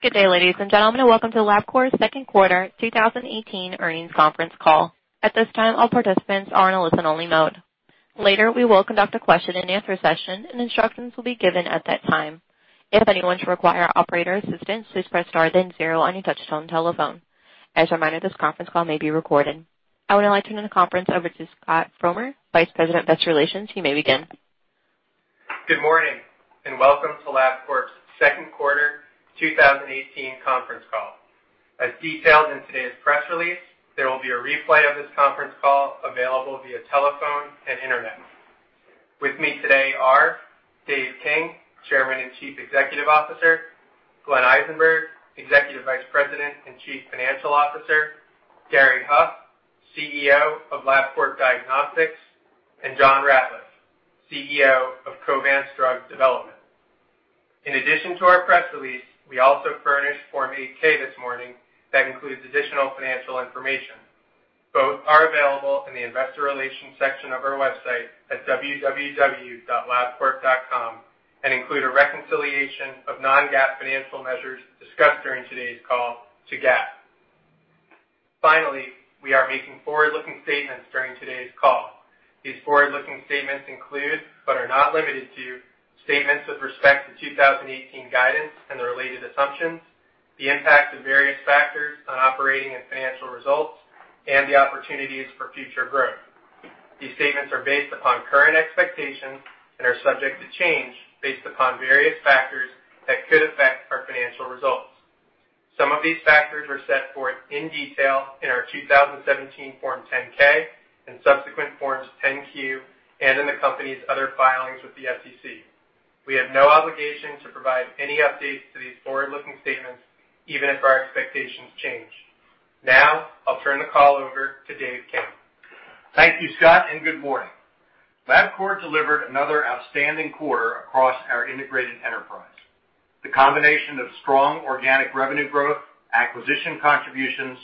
Good day, ladies and gentlemen, welcome to Labcorp's second quarter 2018 earnings conference call. At this time, all participants are in a listen-only mode. Later, we will conduct a question and answer session. Instructions will be given at that time. If anyone should require operator assistance, please press star then 0 on your touchtone telephone. As a reminder, this conference call may be recorded. I would now like to turn the conference over to Scott Frommer, Vice President, Investor Relations. You may begin. Good morning. Welcome to Labcorp's second quarter 2018 conference call. As detailed in today's press release, there will be a replay of this conference call available via telephone and internet. With me today are Dave King, Chairman and Chief Executive Officer, Glenn Eisenberg, Executive Vice President and Chief Financial Officer, Gary Huff, CEO of Labcorp Diagnostics, and John Ratliff, CEO of Covance Drug Development. In addition to our press release, we also furnished Form 8-K this morning that includes additional financial information. Both are available in the investor relations section of our website at www.labcorp.com and include a reconciliation of non-GAAP financial measures discussed during today's call to GAAP. We are making forward-looking statements during today's call. These forward-looking statements include, but are not limited to, statements with respect to 2018 guidance and the related assumptions, the impact of various factors on operating and financial results, and the opportunities for future growth. These statements are based upon current expectations and are subject to change based upon various factors that could affect our financial results. Some of these factors were set forth in detail in our 2017 Form 10-K and subsequent Forms 10-Q and in the company's other filings with the SEC. We have no obligation to provide any updates to these forward-looking statements even if our expectations change. I'll turn the call over to Dave King. Thank you, Scott. Good morning. Labcorp delivered another outstanding quarter across our integrated enterprise. The combination of strong organic revenue growth, acquisition contributions,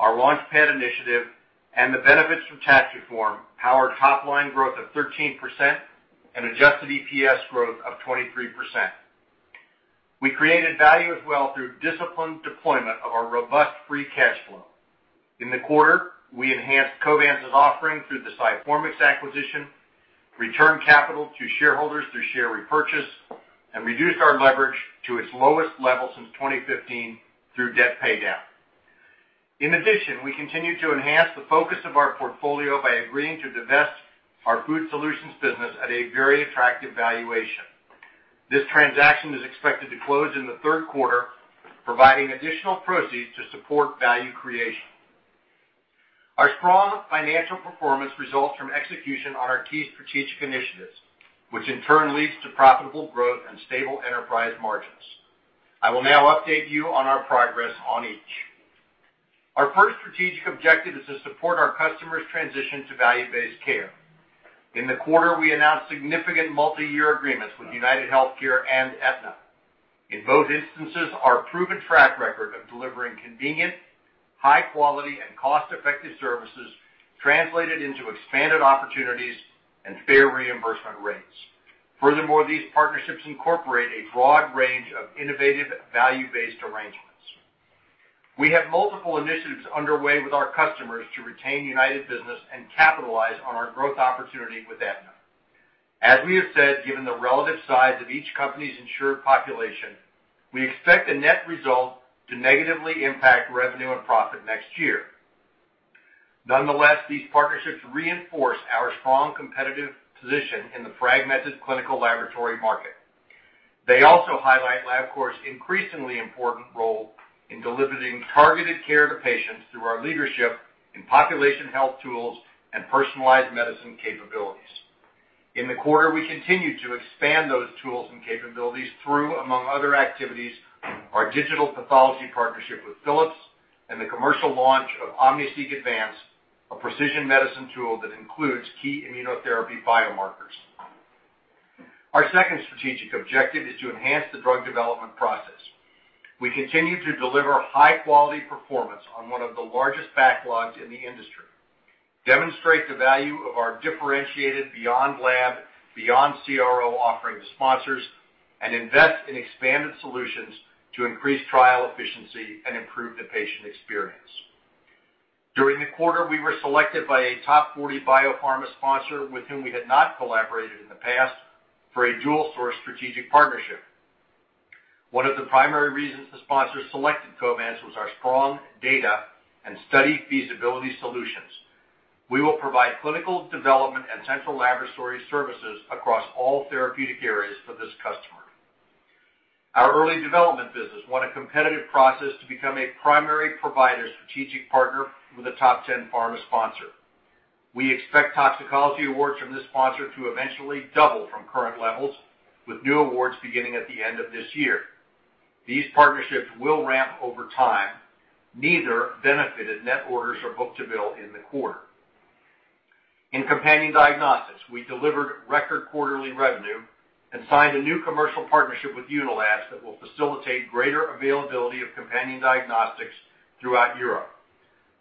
our LaunchPad initiative, and the benefits from tax reform powered top-line growth of 13% and adjusted EPS growth of 23%. We created value as well through disciplined deployment of our robust free cash flow. In the quarter, we enhanced Covance's offering through the Sciformix acquisition, returned capital to shareholders through share repurchase, and reduced our leverage to its lowest level since 2015 through debt paydown. We continued to enhance the focus of our portfolio by agreeing to divest our Food Solutions business at a very attractive valuation. This transaction is expected to close in the third quarter, providing additional proceeds to support value creation. Our strong financial performance results from execution on our key strategic initiatives, which in turn leads to profitable growth and stable enterprise margins. I will now update you on our progress on each. Our first strategic objective is to support our customers' transition to value-based care. In the quarter, we announced significant multi-year agreements with UnitedHealthcare and Aetna. In both instances, our proven track record of delivering convenient, high-quality, and cost-effective services translated into expanded opportunities and fair reimbursement rates. Furthermore, these partnerships incorporate a broad range of innovative value-based arrangements. We have multiple initiatives underway with our customers to retain United business and capitalize on our growth opportunity with Aetna. As we have said, given the relative size of each company's insured population, we expect the net result to negatively impact revenue and profit next year. Nonetheless, these partnerships reinforce our strong competitive position in the fragmented clinical laboratory market. They also highlight Labcorp's increasingly important role in delivering targeted care to patients through our leadership in population health tools and personalized medicine capabilities. In the quarter, we continued to expand those tools and capabilities through, among other activities, our digital pathology partnership with Philips and the commercial launch of OmniSeq Advance, a precision medicine tool that includes key immunotherapy biomarkers. Our second strategic objective is to enhance the drug development process. We continue to deliver high-quality performance on one of the largest backlogs in the industry, demonstrate the value of our differentiated beyond lab, beyond CRO offering to sponsors, and invest in expanded solutions to increase trial efficiency and improve the patient experience. During the quarter, we were selected by a top 40 biopharma sponsor, with whom we had not collaborated in the past, for a dual-source strategic partnership. One of the primary reasons the sponsor selected Covance was our strong data and study feasibility solutions. We will provide clinical development and central laboratory services across all therapeutic areas for this customer. Our early development business won a competitive process to become a primary provider strategic partner with a top 10 pharma sponsor. We expect toxicology awards from this sponsor to eventually double from current levels, with new awards beginning at the end of this year. These partnerships will ramp over time. Neither benefited net orders or book-to-bill in the quarter. In companion diagnostics, we delivered record quarterly revenue and signed a new commercial partnership with Unilabs that will facilitate greater availability of companion diagnostics throughout Europe.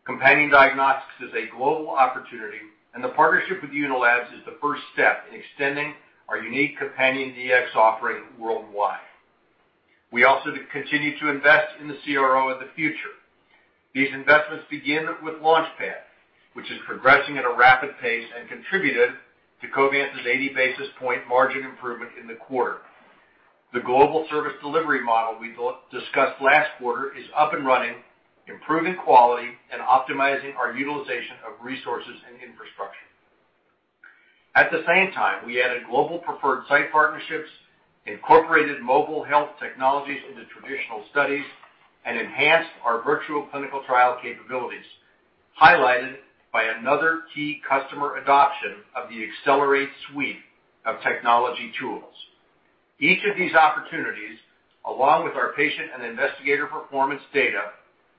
Companion diagnostics is a global opportunity, and the partnership with Unilabs is the first step in extending our unique companion DX offering worldwide. We also continue to invest in the CRO of the future. These investments begin with LaunchPad, which is progressing at a rapid pace and contributed to Covance's 80 basis point margin improvement in the quarter. The global service delivery model we discussed last quarter is up and running, improving quality and optimizing our utilization of resources and infrastructure. At the same time, we added global preferred site partnerships, incorporated mobile health technologies into traditional studies, and enhanced our virtual clinical trial capabilities, highlighted by another key customer adoption of the Xcellerate suite of technology tools. Each of these opportunities, along with our patient and investigator performance data,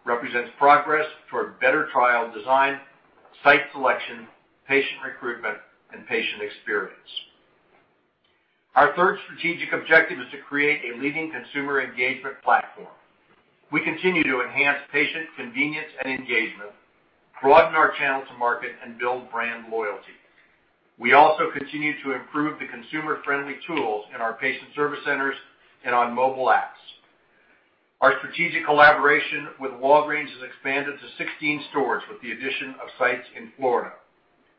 represents progress toward better trial design, site selection, patient recruitment, and patient experience. Our third strategic objective is to create a leading consumer engagement platform. We continue to enhance patient convenience and engagement, broaden our channel to market, and build brand loyalty. We also continue to improve the consumer-friendly tools in our patient service centers and on mobile apps. Our strategic collaboration with Walgreens has expanded to 16 stores with the addition of sites in Florida.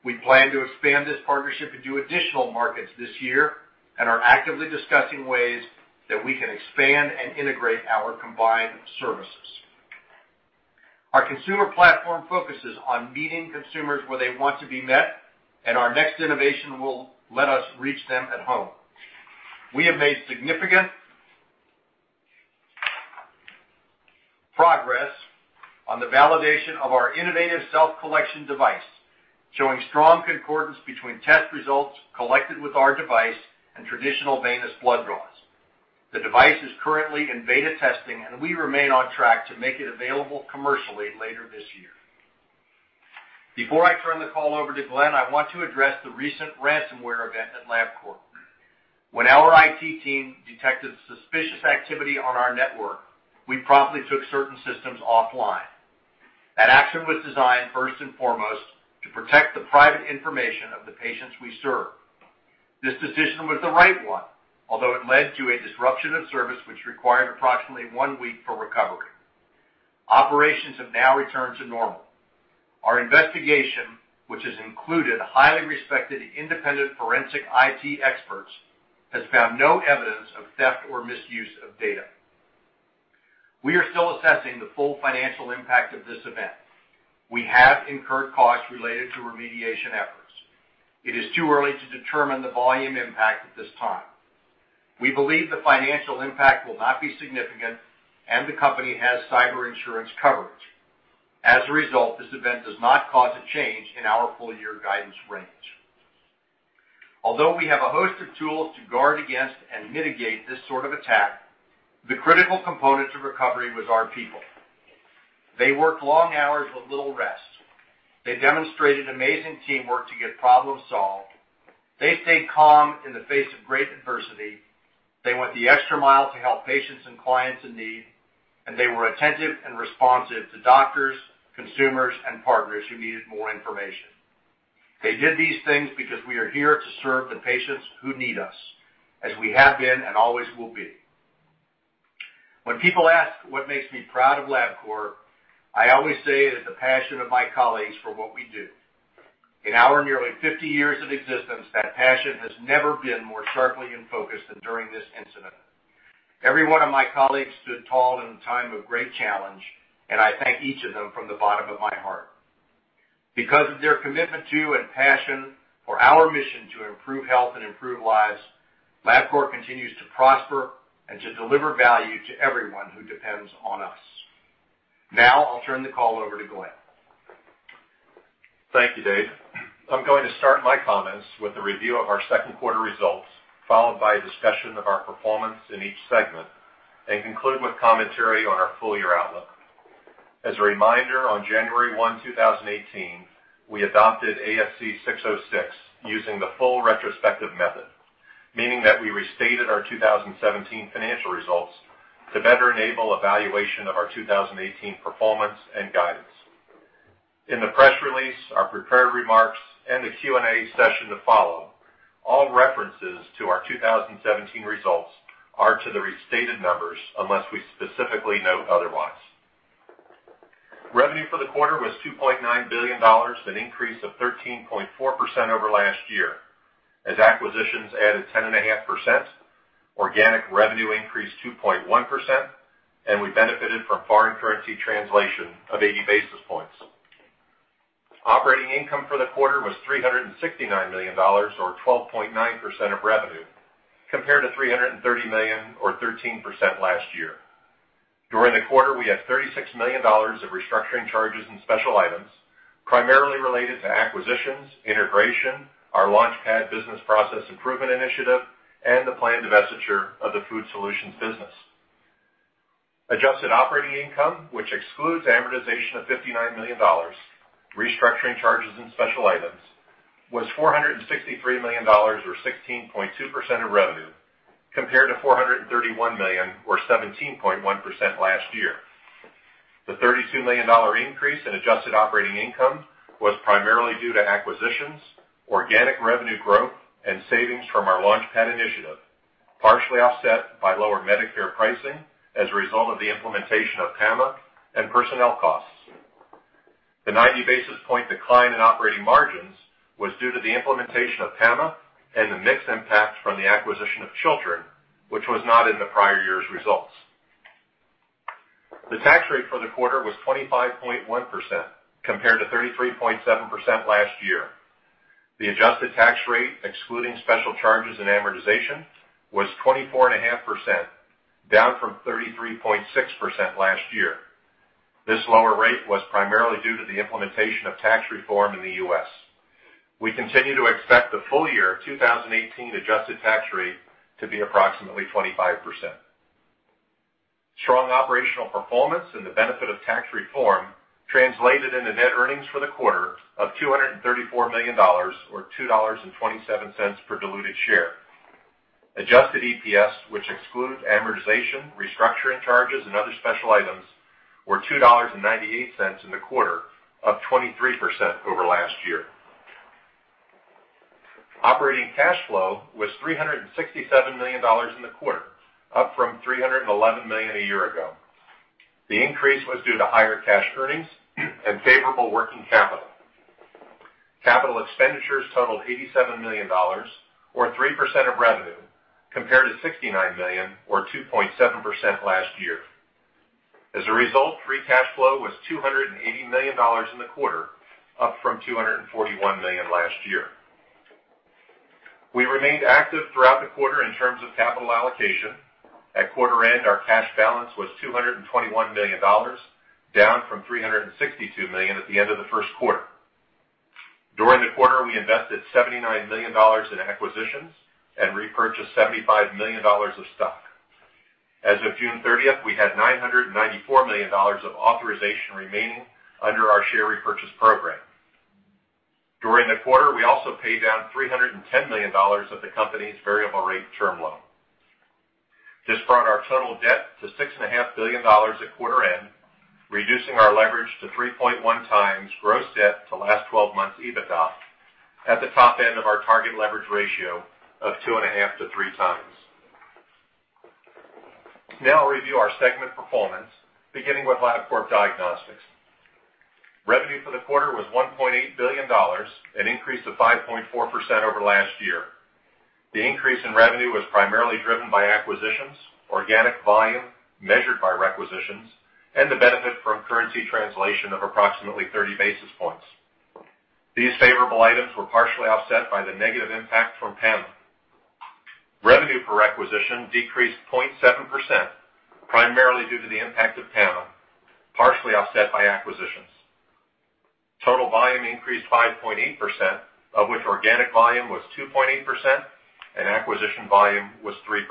We plan to expand this partnership into additional markets this year and are actively discussing ways that we can expand and integrate our combined services. Our consumer platform focuses on meeting consumers where they want to be met, and our next innovation will let us reach them at home. We have made significant progress on the validation of our innovative self-collection device, showing strong concordance between test results collected with our device and traditional venous blood draws. The device is currently in beta testing. We remain on track to make it available commercially later this year. Before I turn the call over to Glenn, I want to address the recent ransomware event at Labcorp. When our IT team detected suspicious activity on our network, we promptly took certain systems offline. That action was designed first and foremost to protect the private information of the patients we serve. This decision was the right one, although it led to a disruption of service which required approximately one week for recovery. Operations have now returned to normal. Our investigation, which has included highly respected independent forensic IT experts, has found no evidence of theft or misuse of data. We are still assessing the full financial impact of this event. We have incurred costs related to remediation efforts. It is too early to determine the volume impact at this time. We believe the financial impact will not be significant. The company has cyber insurance coverage. As a result, this event does not cause a change in our full-year guidance range. We have a host of tools to guard against and mitigate this sort of attack, the critical component to recovery was our people. They worked long hours with little rest. They demonstrated amazing teamwork to get problems solved. They stayed calm in the face of great adversity. They went the extra mile to help patients and clients in need. They were attentive and responsive to doctors, consumers, and partners who needed more information. They did these things because we are here to serve the patients who need us, as we have been and always will be. When people ask what makes me proud of Labcorp, I always say it is the passion of my colleagues for what we do. In our nearly 50 years of existence, that passion has never been more sharply in focus than during this incident. Every one of my colleagues stood tall in a time of great challenge. I thank each of them from the bottom of my heart. Their commitment to and passion for our mission to improve health and improve lives, Labcorp continues to prosper and to deliver value to everyone who depends on us. I'll turn the call over to Glenn. Thank you, Dave. I'm going to start my comments with a review of our second quarter results, followed by a discussion of our performance in each segment and conclude with commentary on our full-year outlook. As a reminder, on January one, 2018, we adopted ASC 606 using the full retrospective method, meaning that we restated our 2017 financial results to better enable evaluation of our 2018 performance and guidance. In the press release, our prepared remarks, and the Q&A session to follow, all references to our 2017 results are to the restated numbers unless we specifically note otherwise. Revenue for the quarter was $2.9 billion, an increase of 13.4% over last year. As acquisitions added 10.5%, organic revenue increased 2.1%, and we benefited from foreign currency translation of 80 basis points. Operating income for the quarter was $369 million, or 12.9% of revenue, compared to $330 million or 13% last year. During the quarter, we had $36 million of restructuring charges and special items primarily related to acquisitions, integration, our LaunchPad business process improvement initiative, and the planned divestiture of the Food Solutions business. Adjusted operating income, which excludes amortization of $59 million, restructuring charges and special items, was $463 million, or 16.2% of revenue, compared to $431 million or 17.1% last year. The $32 million increase in adjusted operating income was primarily due to acquisitions, organic revenue growth, and savings from our LaunchPad initiative, partially offset by lower Medicare pricing as a result of the implementation of PAMA and personnel costs. The 90 basis point decline in operating margins was due to the implementation of PAMA and the mixed impact from the acquisition of Chiltern, which was not in the prior year's results. The tax rate for the quarter was 25.1%, compared to 33.7% last year. The adjusted tax rate, excluding special charges and amortization, was 24.5%, down from 33.6% last year. This lower rate was primarily due to the implementation of tax reform in the U.S. We continue to expect the full year 2018 adjusted tax rate to be approximately 25%. Strong operational performance and the benefit of tax reform translated into net earnings for the quarter of $234 million, or $2.27 per diluted share. Adjusted EPS, which excludes amortization, restructuring charges, and other special items, were $2.98 in the quarter, up 23% over last year. Operating cash flow was $367 million in the quarter, up from $311 million a year ago. The increase was due to higher cash earnings and favorable working capital. Capital expenditures totaled $87 million, or 3% of revenue, compared to $69 million, or 2.7% last year. As a result, free cash flow was $280 million in the quarter, up from $241 million last year. We remained active throughout the quarter in terms of capital allocation. At quarter end, our cash balance was $221 million, down from $362 million at the end of the first quarter. During the quarter, we invested $79 million in acquisitions and repurchased $75 million of stock. As of June 30th, we had $994 million of authorization remaining under our share repurchase program. During the quarter, we also paid down $310 million of the company's variable rate term loan. This brought our total debt to $6.5 billion at quarter end, reducing our leverage to 3.1 times gross debt to last 12 months EBITDA, at the top end of our target leverage ratio of 2.5 to 3 times. I will review our segment performance, beginning with Labcorp Diagnostics. Revenue for the quarter was $1.8 billion, an increase of 5.4% over last year. The increase in revenue was primarily driven by acquisitions, organic volume measured by requisitions, and the benefit from currency translation of approximately 30 basis points. These favorable items were partially offset by the negative impact from PAMA. Revenue per requisition decreased 0.7%, primarily due to the impact of PAMA, partially offset by acquisitions. Total volume increased 5.8%, of which organic volume was 2.8% and acquisition volume was 3%.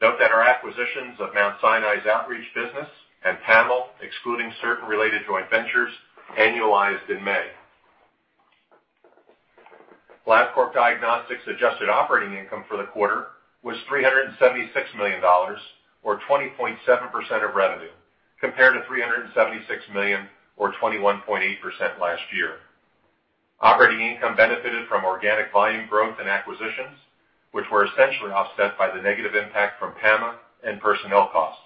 Note that our acquisitions of Mount Sinai's Outreach business and PAML, excluding certain related joint ventures, annualized in May. Labcorp Diagnostics' adjusted operating income for the quarter was $376 million, or 20.7% of revenue, compared to $376 million, or 21.8%, last year. Operating income benefited from organic volume growth and acquisitions, which were essentially offset by the negative impact from PAMA and personnel costs.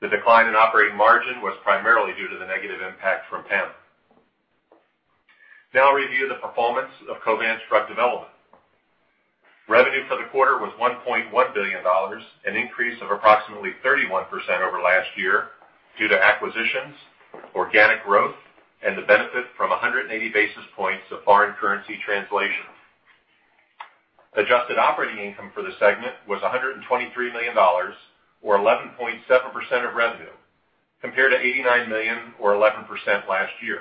The decline in operating margin was primarily due to the negative impact from PAMA. I will review the performance of Covance Drug Development. Revenue for the quarter was $1.1 billion, an increase of approximately 31% over last year due to acquisitions, organic growth, and the benefit from 180 basis points of foreign currency translation. Adjusted operating income for the segment was $123 million, or 11.7% of revenue, compared to $89 million, or 11%, last year.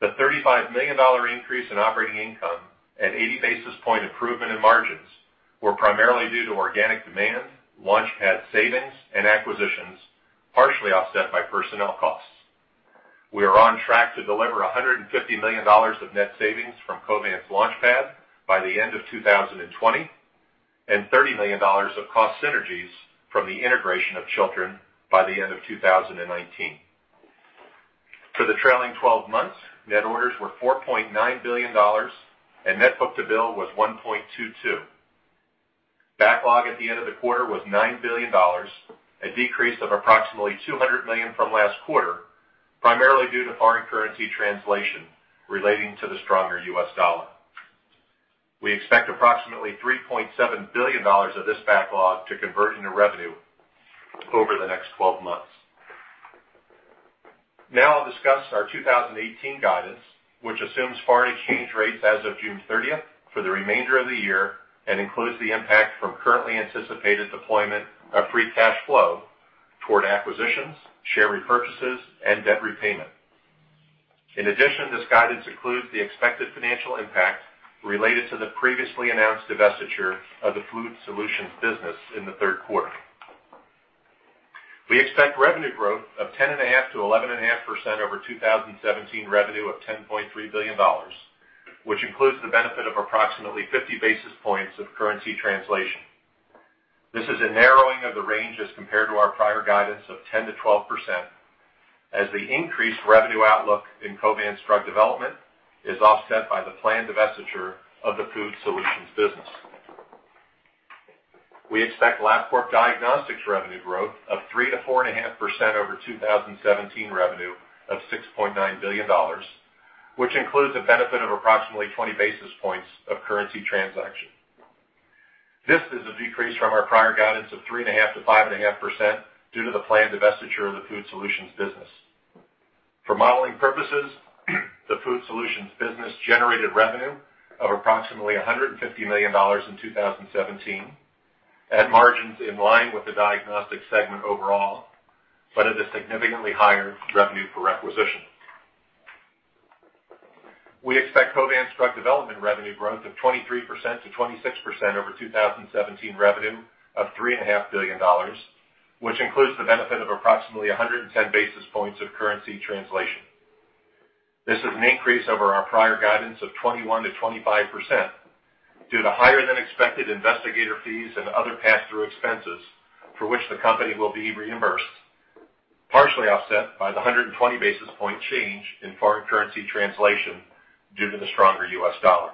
The $35 million increase in operating income and 80 basis point improvement in margins were primarily due to organic demand, LaunchPad savings, and acquisitions, partially offset by personnel costs. We are on track to deliver $150 million of net savings from Covance LaunchPad by the end of 2020, and $30 million of cost synergies from the integration of Chiltern by the end of 2019. For the trailing 12 months, net orders were $4.9 billion and net book-to-bill was 1.22. Backlog at the end of the quarter was $9 billion, a decrease of approximately $200 million from last quarter, primarily due to foreign currency translation relating to the stronger U.S. dollar. We expect approximately $3.7 billion of this backlog to convert into revenue over the next 12 months. I will discuss our 2018 guidance, which assumes foreign exchange rates as of June 30th for the remainder of the year and includes the impact from currently anticipated deployment of free cash flow toward acquisitions, share repurchases, and debt repayment. In addition, this guidance includes the expected financial impact related to the previously announced divestiture of the Food Solutions business in the third quarter. We expect revenue growth of 10.5%-11.5% over 2017 revenue of $10.3 billion, which includes the benefit of approximately 50 basis points of currency translation. This is a narrowing of the range as compared to our prior guidance of 10%-12%, as the increased revenue outlook in Covance Drug Development is offset by the planned divestiture of the Food Solutions business. We expect Labcorp Diagnostics revenue growth of 3%-4.5% over 2017 revenue of $6.9 billion, which includes a benefit of approximately 20 basis points of currency transaction. This is a decrease from our prior guidance of 3.5%-5.5% due to the planned divestiture of the Food Solutions business. For modeling purposes, the Food Solutions business generated revenue of approximately $150 million in 2017 and margins in line with the Diagnostics segment overall, but at a significantly higher revenue per requisition. We expect Covance Drug Development revenue growth of 23%-26% over 2017 revenue of $3.5 billion, which includes the benefit of approximately 110 basis points of currency translation. This is an increase over our prior guidance of 21%-25% due to higher-than-expected investigator fees and other pass-through expenses for which the company will be reimbursed, partially offset by the 120 basis point change in foreign currency translation due to the stronger U.S. dollar.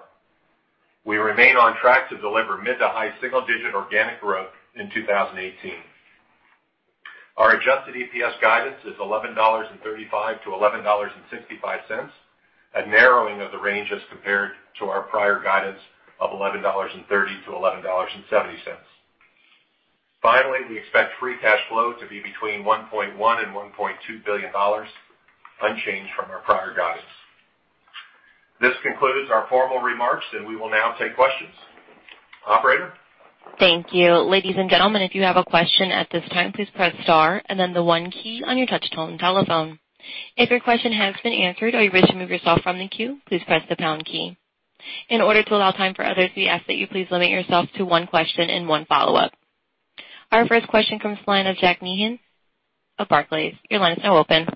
We remain on track to deliver mid to high single-digit organic growth in 2018. Our adjusted EPS guidance is $11.35-$11.65, a narrowing of the range as compared to our prior guidance of $11.30-$11.70. Finally, we expect free cash flow to be between $1.1 billion and $1.2 billion, unchanged from our prior guidance. This concludes our formal remarks, and we will now take questions. Operator. Thank you. Ladies and gentlemen, if you have a question at this time, please press star and then the one key on your touch-tone telephone. If your question has been answered or you wish to remove yourself from the queue, please press the pound key. In order to allow time for others, we ask that you please limit yourself to one question and one follow-up. Our first question comes from the line of Jack Meehan of Barclays. Your line is now open.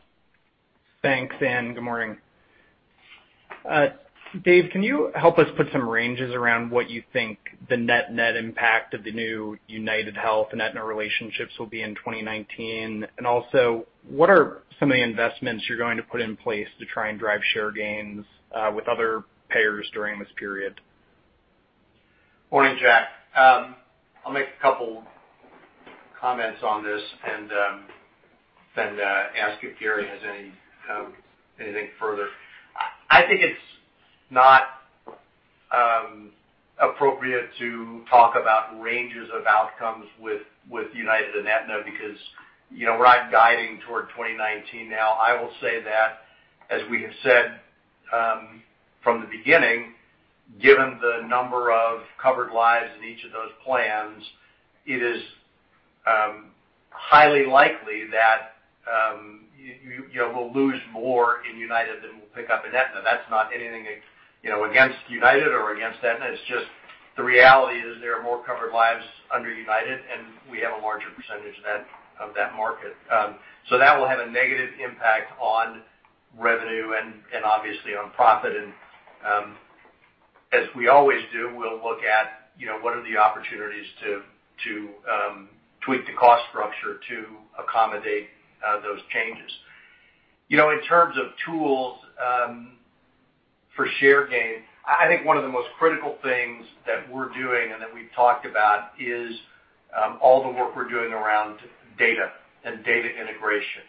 Thanks, and good morning. Dave, can you help us put some ranges around what you think the net impact of the new UnitedHealth and Aetna relationships will be in 2019? Also, what are some of the investments you're going to put in place to try and drive share gains with other payers during this period? Morning, Jack. I'll make a couple comments on this and then ask if Gary has anything further. I think it's not appropriate to talk about ranges of outcomes with United and Aetna because we're not guiding toward 2019 now. I will say that, as we have said from the beginning, given the number of covered lives in each of those plans, it is highly likely that we'll lose more in United than we'll pick up in Aetna. That's not anything against United or against Aetna. It's just the reality is there are more covered lives under United, and we have a larger percentage of that market. That will have a negative impact on revenue and obviously on profit. As we always do, we'll look at what are the opportunities to tweak the cost structure to accommodate those changes. In terms of tools for share gain, I think one of the most critical things that we're doing and that we've talked about is all the work we're doing around data and data integration.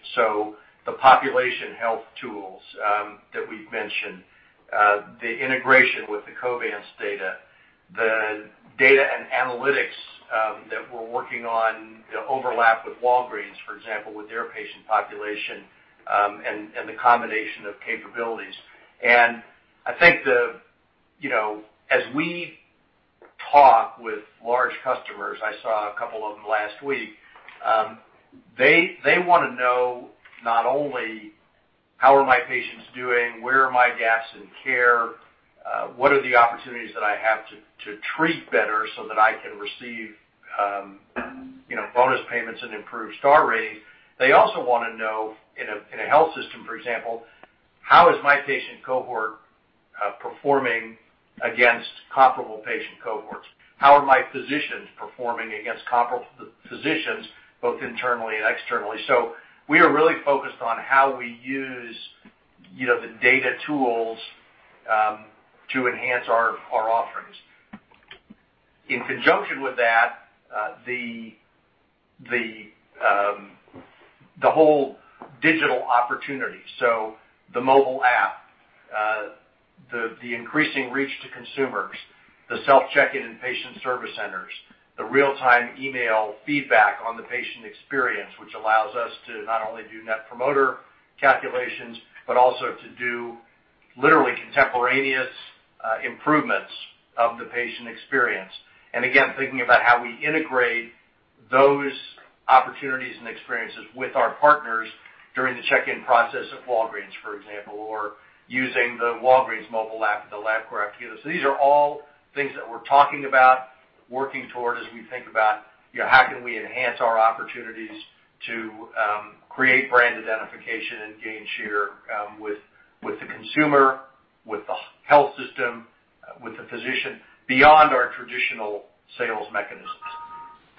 The population health tools that we've mentioned, the integration with the Covance data, the data and analytics that we're working on overlap with Walgreens, for example, with their patient population, and the combination of capabilities. I think as we talk with large customers, I saw a couple of them last week, they want to know not only how are my patients doing, where are my gaps in care, what are the opportunities that I have to treat better so that I can receive bonus payments and improved star ratings. They also want to know in a health system, for example, how is my patient cohort performing against comparable patient cohorts? How are my physicians performing against comparable physicians, both internally and externally? We are really focused on how we use the data tools to enhance our offerings. In conjunction with that, the whole digital opportunity. The mobile app, the increasing reach to consumers, the self-check-in in patient service centers, the real-time email feedback on the patient experience, which allows us to not only do net promoter calculations, but also to do literally contemporaneous improvements of the patient experience. Again, thinking about how we integrate those opportunities and experiences with our partners During the check-in process at Walgreens, for example, or using the Walgreens mobile app, the Labcorp app. These are all things that we're talking about, working towards as we think about how can we enhance our opportunities to create brand identification and gain share with the consumer, with the health system, with the physician, beyond our traditional sales mechanisms.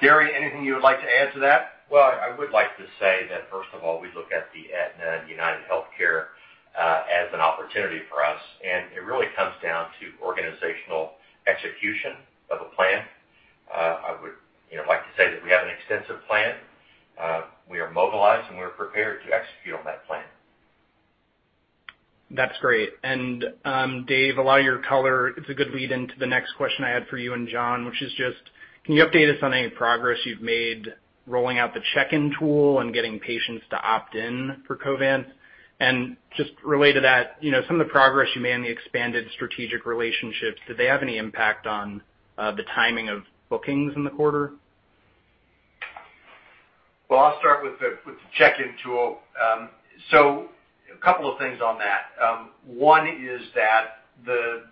Gary, anything you would like to add to that? I would like to say that first of all, we look at the Aetna and UnitedHealthcare as an opportunity for us, it really comes down to organizational execution of a plan. I would like to say that we have an extensive plan. We are mobilized, and we are prepared to execute on that plan. That's great. Dave, a lot of your color, it's a good lead-in to the next question I had for you and John, which is just, can you update us on any progress you've made rolling out the check-in tool and getting patients to opt in for Covance? Just related to that, some of the progress you made on the expanded strategic relationships, did they have any impact on the timing of bookings in the quarter? I'll start with the check-in tool. A couple of things on that. One is that the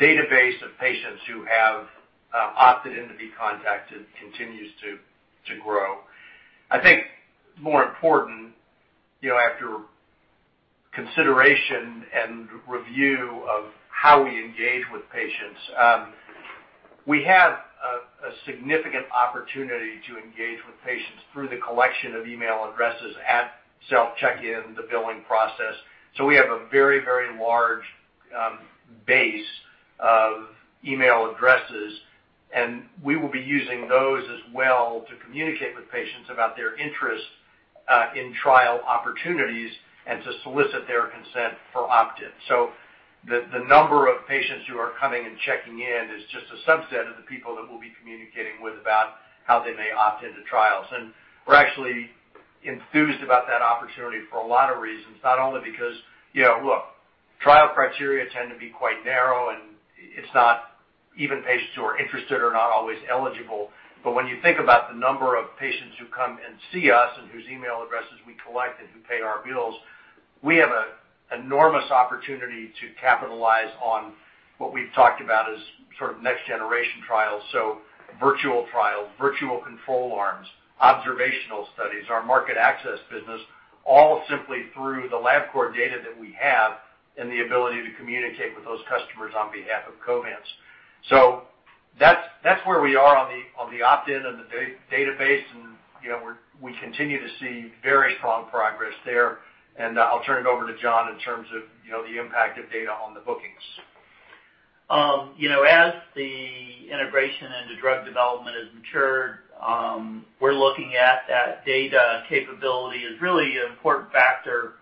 database of patients who have opted in to be contacted continues to grow. I think more important, after consideration and review of how we engage with patients, we have a significant opportunity to engage with patients through the collection of email addresses at self-check-in, the billing process. We have a very large base of email addresses, and we will be using those as well to communicate with patients about their interest in trial opportunities and to solicit their consent for opt-in. The number of patients who are coming and checking in is just a subset of the people that we'll be communicating with about how they may opt into trials. We're actually enthused about that opportunity for a lot of reasons. Not only because Look, trial criteria tend to be quite narrow, it's not even patients who are interested are not always eligible. When you think about the number of patients who come and see us and whose email addresses we collect and who pay our bills, we have an enormous opportunity to capitalize on what we've talked about as next generation trials. Virtual trials, virtual control arms, observational studies, our market access business, all simply through the Labcorp data that we have and the ability to communicate with those customers on behalf of Covance. That's where we are on the opt-in and the database, we continue to see very strong progress there. I'll turn it over to John in terms of the impact of data on the bookings. As the integration into drug development has matured, we're looking at that data capability as really an important factor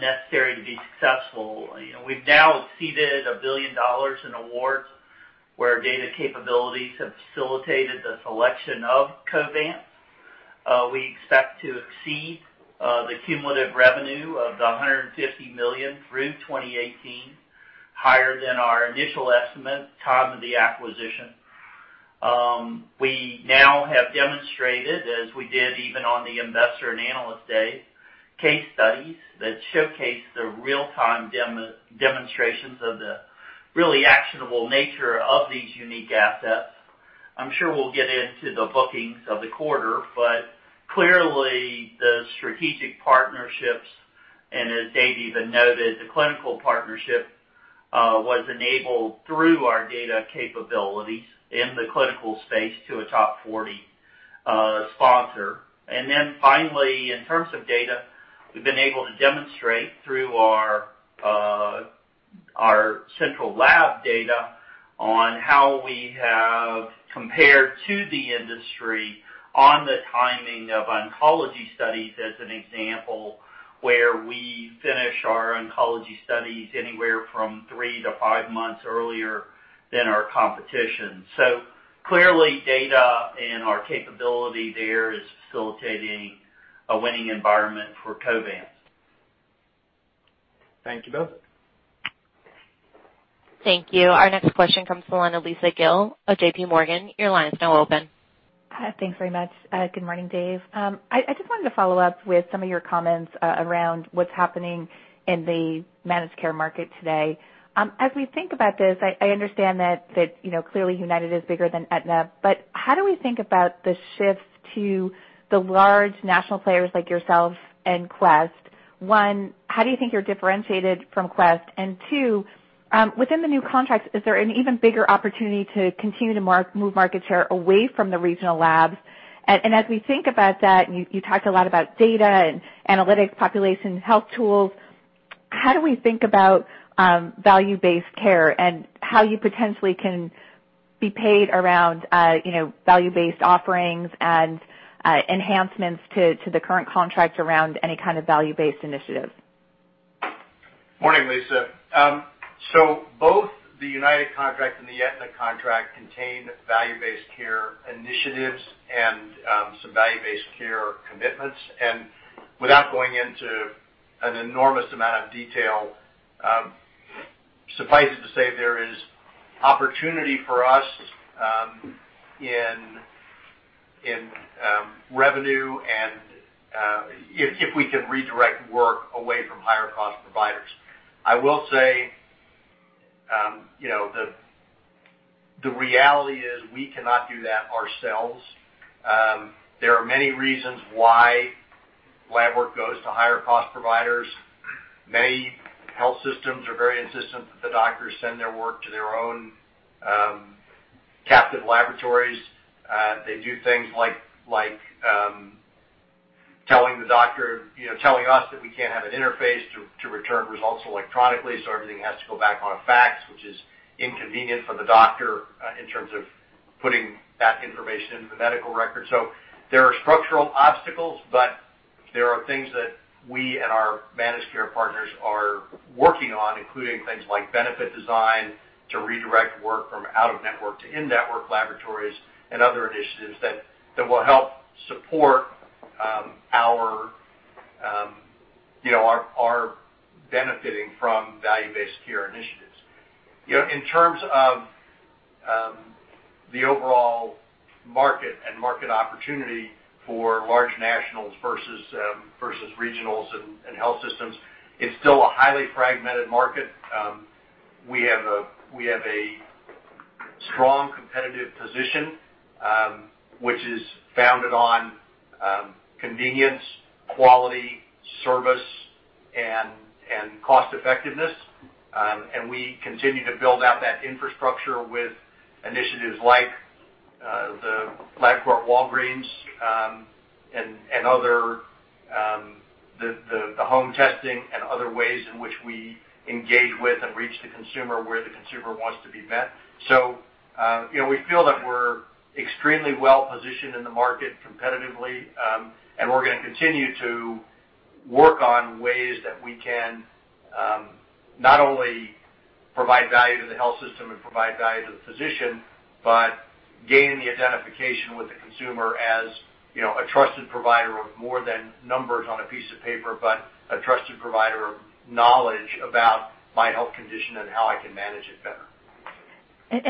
necessary to be successful. We've now exceeded $1 billion in awards where data capabilities have facilitated the selection of Covance. We expect to exceed the cumulative revenue of the $150 million through 2018, higher than our initial estimate time of the acquisition. We now have demonstrated, as we did even on the investor and analyst day, case studies that showcase the real-time demonstrations of the really actionable nature of these unique assets. I'm sure we'll get into the bookings of the quarter, but clearly the strategic partnerships, and as Dave even noted, the clinical partnership was enabled through our data capabilities in the clinical space to a top 40 sponsor. Finally, in terms of data, we've been able to demonstrate through our central lab data on how we have compared to the industry on the timing of oncology studies as an example, where we finish our oncology studies anywhere from three to five months earlier than our competition. Clearly data and our capability there is facilitating a winning environment for Covance. Thank you both. Thank you. Our next question comes from the line of Lisa Gill of JPMorgan. Your line is now open. Hi. Thanks very much. Good morning, Dave. I just wanted to follow up with some of your comments around what's happening in the managed care market today. As we think about this, I understand that clearly United is bigger than Aetna, but how do we think about the shift to the large national players like yourself and Quest? One, how do you think you're differentiated from Quest? Two, within the new contracts, is there an even bigger opportunity to continue to move market share away from the regional labs? As we think about that, and you talked a lot about data and analytics, population health tools, how do we think about value-based care and how you potentially can be paid around value-based offerings and enhancements to the current contract around any kind of value-based initiative? Morning, Lisa. Both the United contract and the Aetna contract contain value-based care initiatives and some value-based care commitments. Without going into an enormous amount of detail, suffice it to say, there is opportunity for us in revenue and if we can redirect work away from higher cost providers. I will say, the reality is we cannot do that ourselves. There are many reasons why lab work goes to higher cost providers. Many health systems are very insistent that the doctors send their work to their own captive laboratories. They do things like telling the doctor, telling us that we can't have an interface to return results electronically, so everything has to go back on a fax, which is inconvenient for the doctor in terms of putting that information into the medical record. There are structural obstacles, but there are things that we and our managed care partners are working on, including things like benefit design to redirect work from out of network to in-network laboratories and other initiatives that will help support our benefiting from value-based care initiatives. In terms of the overall market and market opportunity for large nationals versus regionals and health systems, it's still a highly fragmented market. We have a strong competitive position, which is founded on convenience, quality, service, and cost effectiveness. We continue to build out that infrastructure with initiatives like the Labcorp Walgreens, the home testing, and other ways in which we engage with and reach the consumer where the consumer wants to be met. We feel that we're extremely well-positioned in the market competitively, we're going to continue to work on ways that we can not only provide value to the health system and provide value to the physician, but gain the identification with the consumer as a trusted provider of more than numbers on a piece of paper, but a trusted provider of knowledge about my health condition and how I can manage it better.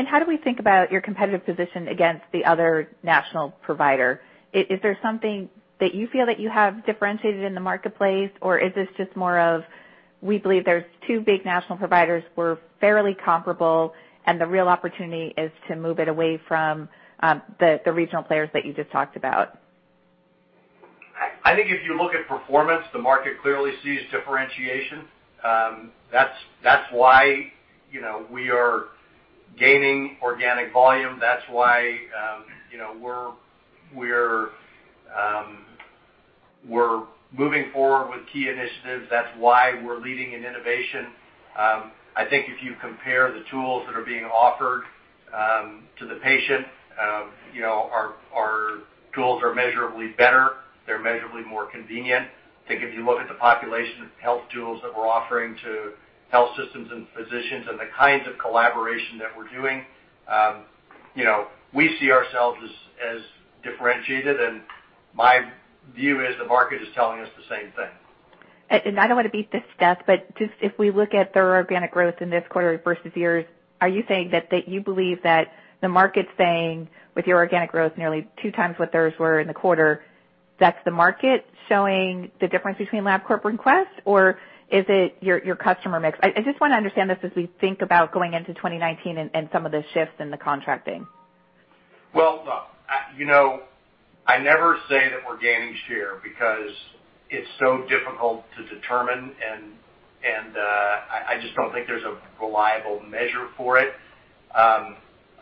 How do we think about your competitive position against the other national provider? Is there something that you feel that you have differentiated in the marketplace, or is this just more of, we believe there's two big national providers who are fairly comparable, and the real opportunity is to move it away from the regional players that you just talked about? I think if you look at performance, the market clearly sees differentiation. That's why we are gaining organic volume. That's why we're moving forward with key initiatives. That's why we're leading in innovation. I think if you compare the tools that are being offered to the patient, our tools are measurably better. They're measurably more convenient. I think if you look at the population health tools that we're offering to health systems and physicians and the kinds of collaboration that we're doing, we see ourselves as differentiated, and my view is the market is telling us the same thing. I don't want to beat this to death, just, if we look at their organic growth in this quarter versus yours, are you saying that you believe that the market's saying, with your organic growth nearly two times what theirs were in the quarter, that's the market showing the difference between Labcorp and Quest, or is it your customer mix? I just want to understand this as we think about going into 2019 and some of the shifts in the contracting. Well, I never say that we're gaining share because it's so difficult to determine, I just don't think there's a reliable measure for it. Our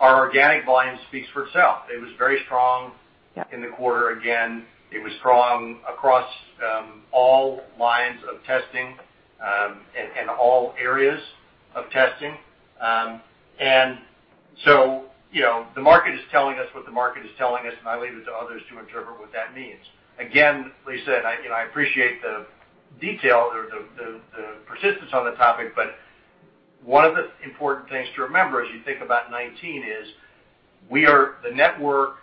organic volume speaks for itself. It was very strong. Yeah In the quarter again. It was strong across all lines of testing, and all areas of testing. The market is telling us what the market is telling us, and I leave it to others to interpret what that means. Again, Lisa, I appreciate the detail or the persistence on the topic, one of the important things to remember as you think about 2019 is, the network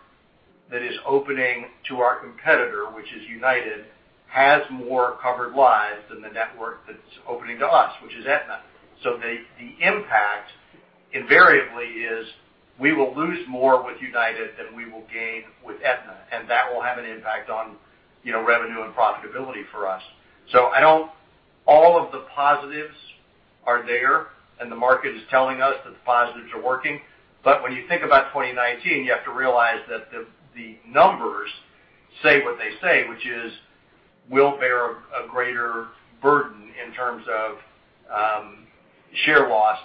that is opening to our competitor, which is United, has more covered lives than the network that is opening to us, which is Aetna. The impact invariably is, we will lose more with United than we will gain with Aetna. That will have an impact on revenue and profitability for us. All of the positives are there, and the market is telling us that the positives are working. When you think about 2019, you have to realize that the numbers say what they say, which is, we will bear a greater burden in terms of share loss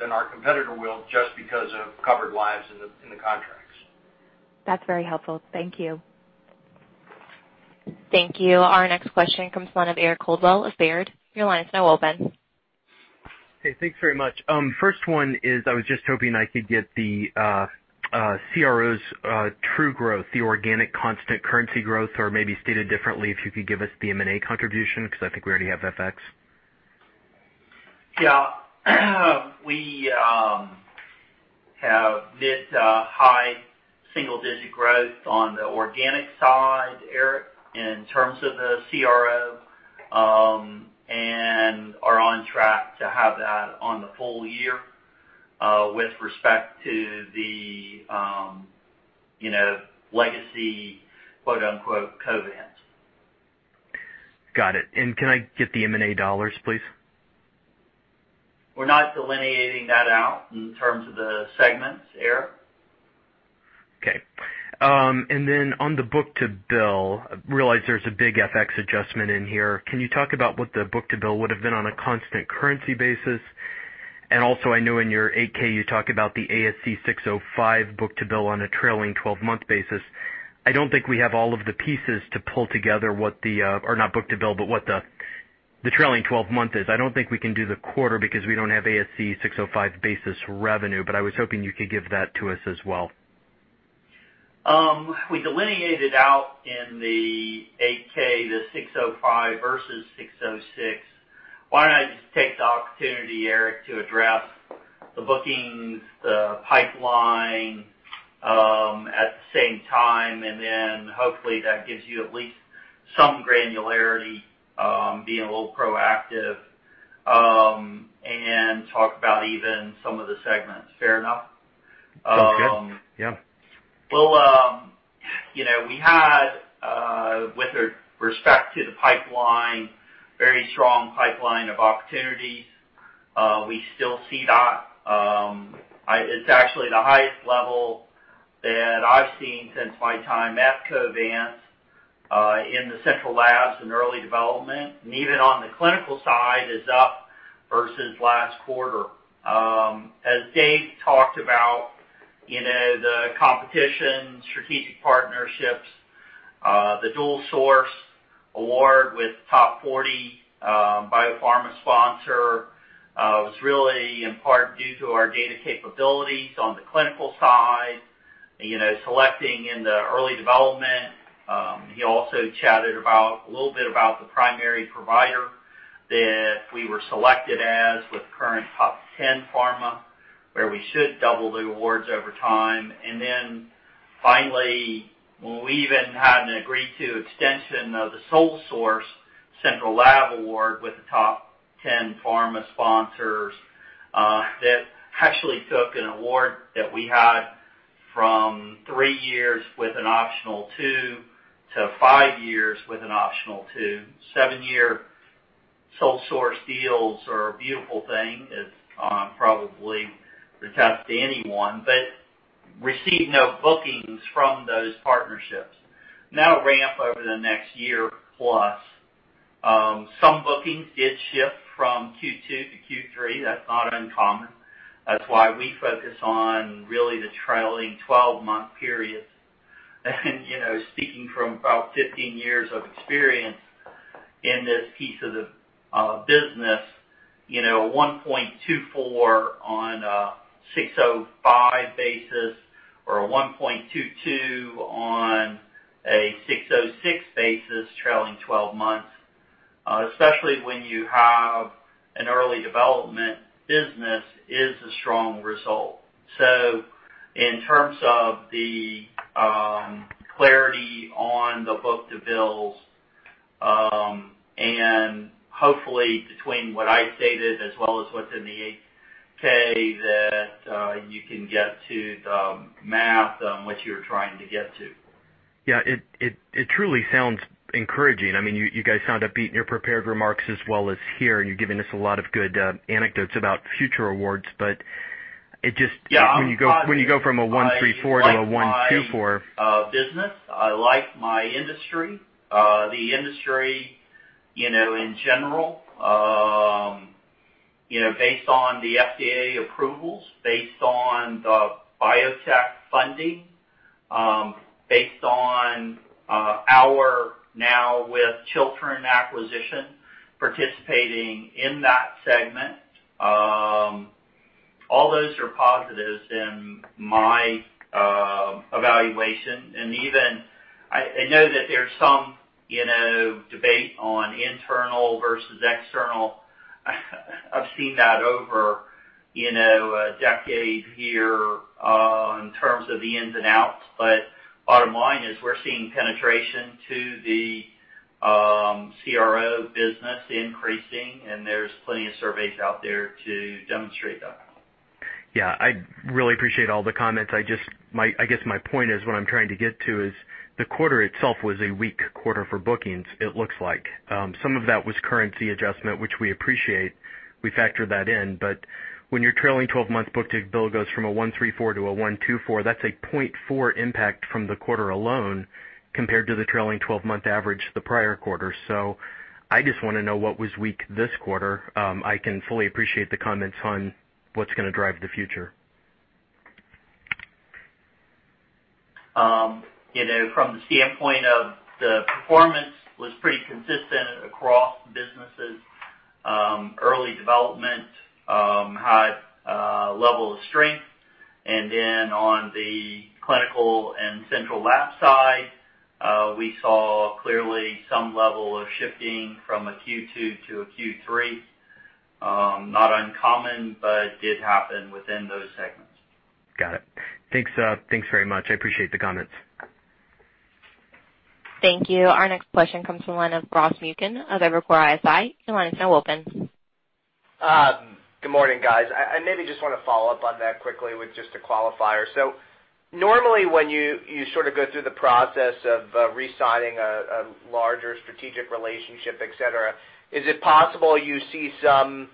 than our competitor will, just because of covered lives in the contracts. That is very helpful. Thank you. Thank you. Our next question comes from the line of Eric Coldwell of Baird. Your line is now open. Hey, thanks very much. First one is, I was just hoping I could get the CRO's true growth, the organic constant currency growth, or maybe stated differently, if you could give us the M&A contribution, because I think we already have FX. Yeah. Both on the organic side, Eric, in terms of the CRO, and are on track to have that on the full year, with respect to the "legacy," quote unquote Covance. Got it. Can I get the M&A dollars, please? We're not delineating that out in terms of the segments, Eric. On the book-to-bill, I realize there's a big FX adjustment in here. Can you talk about what the book-to-bill would've been on a constant currency basis? Also, I know in your Form 8-K, you talk about the ASC 605 book-to-bill on a trailing 12-month basis. I don't think we have all of the pieces to pull together what the, not book-to-bill, but what the trailing 12 month is. I don't think we can do the quarter because we don't have ASC 605 basis revenue. I was hoping you could give that to us as well. We delineated out in the Form 8-K, the 605 versus 606. I just take the opportunity, Eric, to address the bookings, the pipeline, at the same time. Hopefully that gives you at least some granularity, being a little proactive, and talk about even some of the segments. Fair enough? Sounds good. Yeah. Well, we had, with respect to the pipeline, very strong pipeline of opportunities. We still see that. It's actually the highest level that I've seen since my time at Covance, in the central labs and early development, and even on the clinical side is up versus last quarter. As Dave talked about, the competition, strategic partnerships, the dual source award with top 40 biopharma sponsor, was really in part due to our data capabilities on the clinical side, selecting in the early development. He also chatted a little bit about the primary provider that we were selected as with current top 10 pharma, where we should double the awards over time. Finally, when we even had an agreed to extension of the sole source central lab award with the top 10 pharma sponsors, that actually took an award that we had from three years with an optional two to five years with an optional two. Seven-year sole source deals are a beautiful thing, as probably attest to anyone, received no bookings from those partnerships. That'll ramp over the next year plus. Some bookings did shift from Q2 to Q3. That's not uncommon. That's why we focus on really the trailing 12-month periods. Speaking from about 15 years of experience in this piece of the business, 1.24 on an ASC 605 basis or a 1.22 on an ASC 606 basis, trailing 12 months, especially when you have an early development business, is a strong result. In terms of the clarity on the book-to-bills, hopefully between what I stated as well as what's in the Form 8-K, that you can get to the math on what you're trying to get to. It truly sounds encouraging. You guys sound upbeat in your prepared remarks as well as here, you're giving us a lot of good anecdotes about future awards, but it just. I'm positive. when you go from a 1.34 to a 1.24- I like my business. I like my industry. The industry in general, based on the FDA approvals, based on the biotech funding, based on our, now with Chiltern acquisition, participating in that segment. All those are positives in my evaluation. Even, I know that there's some debate on internal versus external. I've seen that over a decade here, in terms of the ins and outs. Bottom line is we're seeing penetration to the CRO business increasing, and there's plenty of surveys out there to demonstrate that. Yeah. I really appreciate all the comments. I guess my point is, what I'm trying to get to is the quarter itself was a weak quarter for bookings, it looks like. Some of that was currency adjustment, which we appreciate. We factored that in. When your trailing 12-month book-to-bill goes from a 1.34 to a 1.24, that's a 0.4 impact from the quarter alone compared to the trailing 12-month average the prior quarter. I just wanna know what was weak this quarter. I can fully appreciate the comments on what's gonna drive the future. From the standpoint of the performance was pretty consistent across businesses, early development, high level of strength, and then on the clinical and central lab side We saw clearly some level of shifting from a Q2 to a Q3. Not uncommon, did happen within those segments. Got it. Thanks very much. I appreciate the comments. Thank you. Our next question comes from the line of Ross Muken of Evercore ISI. Your line is now open. Good morning, guys. I maybe just want to follow up on that quickly with just a qualifier. Normally, when you sort of go through the process of resigning a larger strategic relationship, et cetera, is it possible you see some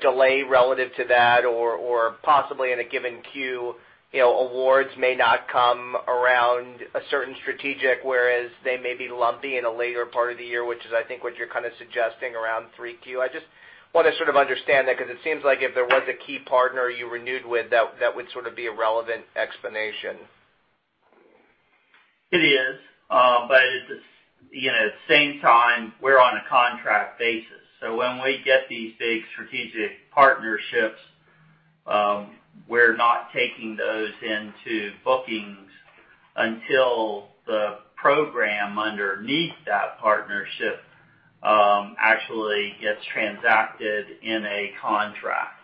delay relative to that or possibly in a given Q, awards may not come around a certain strategic, whereas they may be lumpy in a later part of the year, which is, I think, what you're kind of suggesting around 3Q? I just want to sort of understand that, because it seems like if there was a key partner you renewed with, that would sort of be a relevant explanation. It is. At the same time, we're on a contract basis. When we get these big strategic partnerships, we're not taking those into bookings until the program underneath that partnership actually gets transacted in a contract.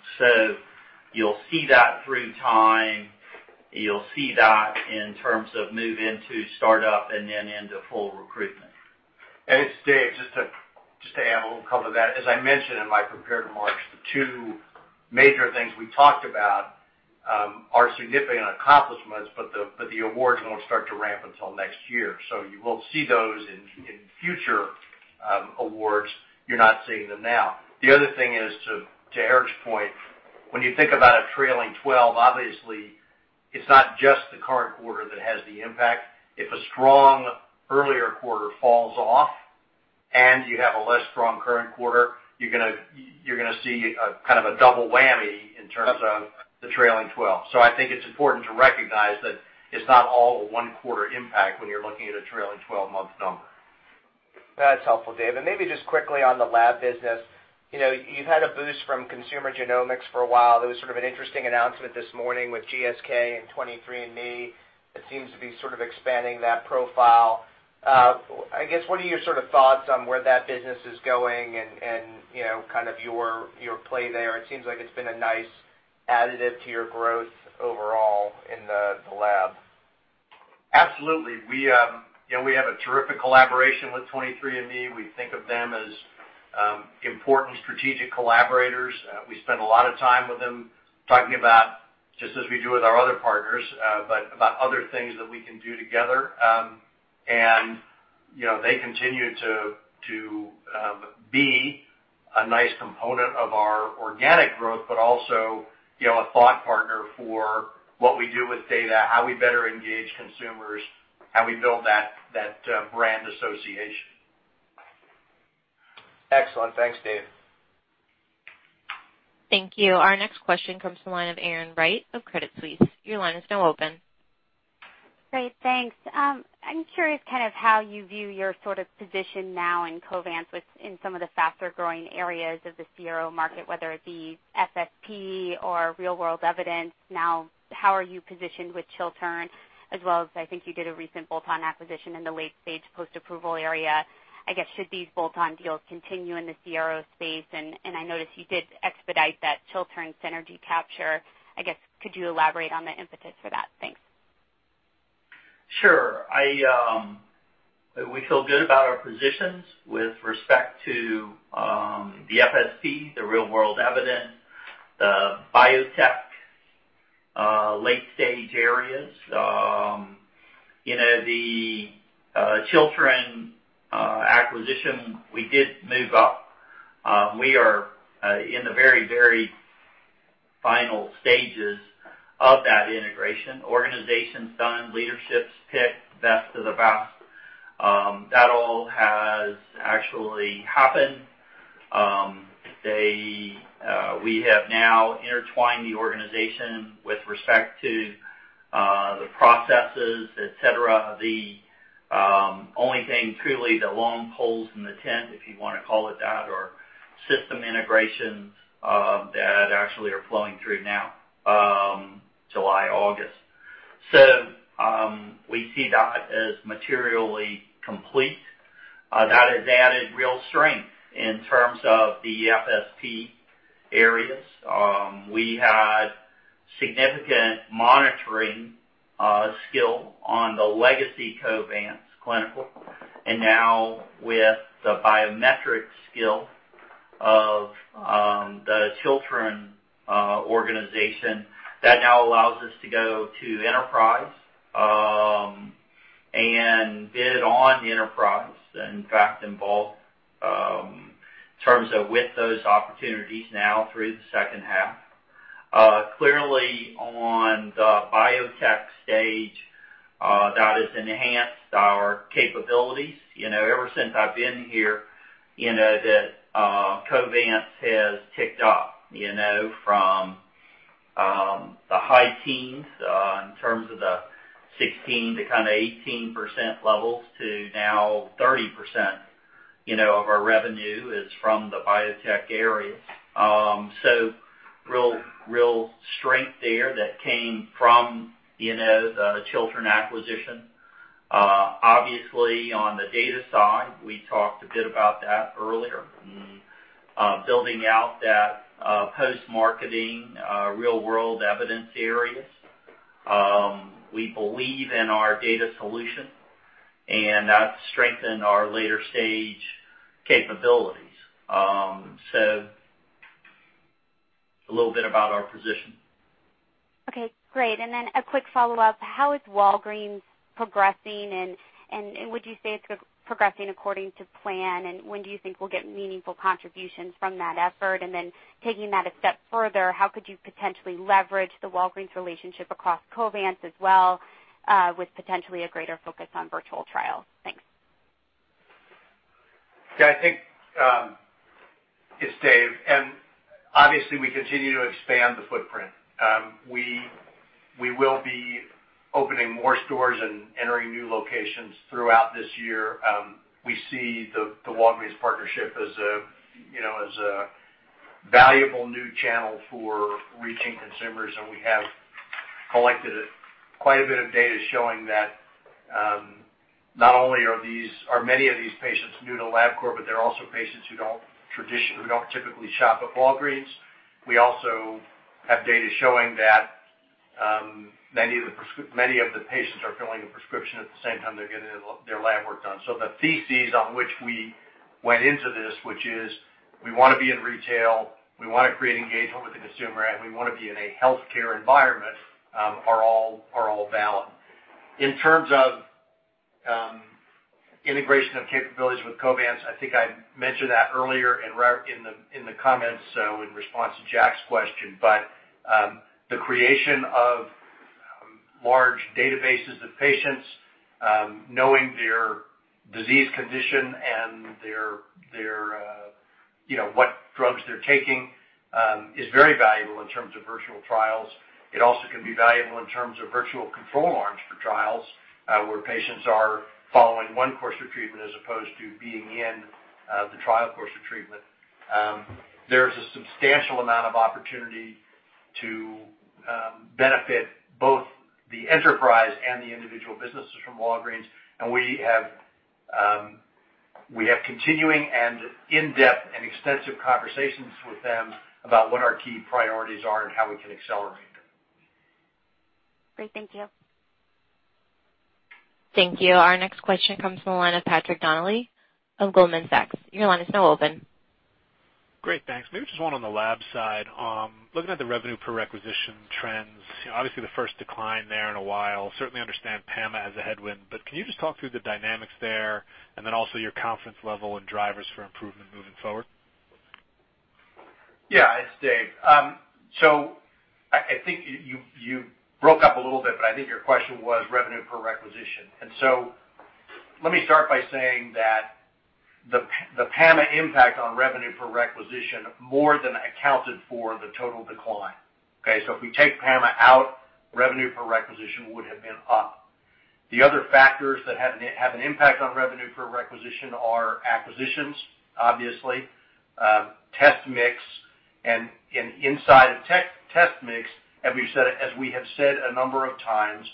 You'll see that through time. You'll see that in terms of move into startup and then into full recruitment. Dave, just to add a little color to that, as I mentioned in my prepared remarks, the two major things we talked about are significant accomplishments, but the awards won't start to ramp until next year. You will see those in future awards. You're not seeing them now. The other thing is, to Eric's point, when you think about a trailing 12, obviously, it's not just the current quarter that has the impact. If a strong earlier quarter falls off and you have a less strong current quarter, you're going to see a kind of a double whammy in terms of the trailing 12. I think it's important to recognize that it's not all a one-quarter impact when you're looking at a trailing 12-month number. That's helpful, Dave. Maybe just quickly on the lab business. You've had a boost from consumer genomics for a while. There was sort of an interesting announcement this morning with GSK and 23andMe. It seems to be sort of expanding that profile. I guess, what are your sort of thoughts on where that business is going and kind of your play there? It seems like it's been a nice additive to your growth overall in the lab. Absolutely. We have a terrific collaboration with 23andMe. We think of them as important strategic collaborators. We spend a lot of time with them talking about, just as we do with our other partners, but about other things that we can do together. They continue to be a nice component of our organic growth, but also a thought partner for what we do with data, how we better engage consumers, how we build that brand association. Excellent. Thanks, Dave. Thank you. Our next question comes from the line of Erin Wright of Credit Suisse. Your line is now open. Great. Thanks. I'm curious kind of how you view your sort of position now in Covance in some of the faster-growing areas of the CRO market, whether it be FSP or real-world evidence now. How are you positioned with Chiltern as well as, I think you did a recent bolt-on acquisition in the late-stage post-approval area. I guess, should these bolt-on deals continue in the CRO space? I noticed you did expedite that Chiltern synergy capture. I guess, could you elaborate on the impetus for that? Thanks. Sure. We feel good about our positions with respect to the FSP, the real-world evidence, the biotech late-stage areas. The Chiltern acquisition, we did move up. We are in the very final stages of that integration. Organization's done, leadership's picked, best of the best. That all has actually happened. We have now intertwined the organization with respect to the processes, et cetera. The only thing truly the long poles in the tent, if you want to call it that, are system integrations that actually are flowing through now, July, August. We see that as materially complete. That has added real strength in terms of the FSP areas. We had significant monitoring skill on the legacy Covance clinical, and now with the biometric skill of the Chiltern organization, that now allows us to go to enterprise and bid on enterprise, in fact, in both terms of with those opportunities now through the second half. Clearly on the biotech stage, that has enhanced our capabilities. Ever since I've been here, Covance has ticked up from the high teens in terms of the 16%-kind of 18% levels to now 30%. Of our revenue is from the biotech area. Real strength there that came from the Chiltern acquisition. Obviously, on the data side, we talked a bit about that earlier. Building out that post-marketing, real world evidence areas. We believe in our data solution, and that's strengthened our later stage capabilities. A little bit about our position. Okay, great. A quick follow-up, how is Walgreens progressing and would you say it's progressing according to plan? When do you think we'll get meaningful contributions from that effort? Taking that a step further, how could you potentially leverage the Walgreens relationship across Covance as well, with potentially a greater focus on virtual trials? Thanks. Yeah, I think it's Dave. Obviously we continue to expand the footprint. We will be opening more stores and entering new locations throughout this year. We see the Walgreens partnership as a valuable new channel for reaching consumers, and we have collected quite a bit of data showing that, not only are many of these patients new to Labcorp, but they're also patients who don't typically shop at Walgreens. We also have data showing that many of the patients are filling a prescription at the same time they're getting their lab work done. The theses on which we went into this, which is we want to be in retail, we want to create engagement with the consumer, and we want to be in a healthcare environment, are all valid. In terms of integration of capabilities with Covance, I think I mentioned that earlier in the comments, so in response to Jack's question, but, the creation of large databases of patients, knowing their disease condition and what drugs they're taking, is very valuable in terms of virtual trials. It also can be valuable in terms of virtual control arms for trials, where patients are following one course of treatment as opposed to being in the trial course of treatment. There's a substantial amount of opportunity to benefit both the enterprise and the individual businesses from Walgreens. We have continuing and in-depth and extensive conversations with them about what our key priorities are and how we can accelerate them. Great. Thank you. Thank you. Our next question comes from the line of Patrick Donnelly of Goldman Sachs. Your line is now open. Great. Thanks. Maybe just one on the lab side. Looking at the revenue per requisition trends, obviously the first decline there in a while. Certainly understand PAMA as a headwind, can you just talk through the dynamics there and then also your confidence level and drivers for improvement moving forward? Yeah, it's Dave. I think you broke up a little bit, I think your question was revenue per requisition. Let me start by saying that the PAMA impact on revenue per requisition more than accounted for the total decline. Okay? If we take PAMA out, revenue per requisition would have been up. The other factors that have an impact on revenue per requisition are acquisitions, obviously, test mix and inside of test mix, as we have said a number of times,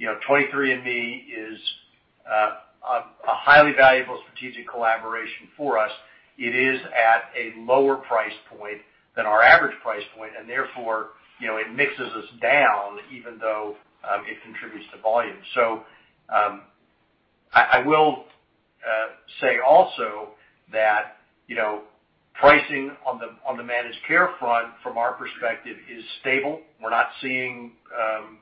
23andMe is a highly valuable strategic collaboration for us. It is at a lower price point than our average price point, and therefore, it mixes us down even though it contributes to volume. I will say also that pricing on the managed care front from our perspective is stable. We're not seeing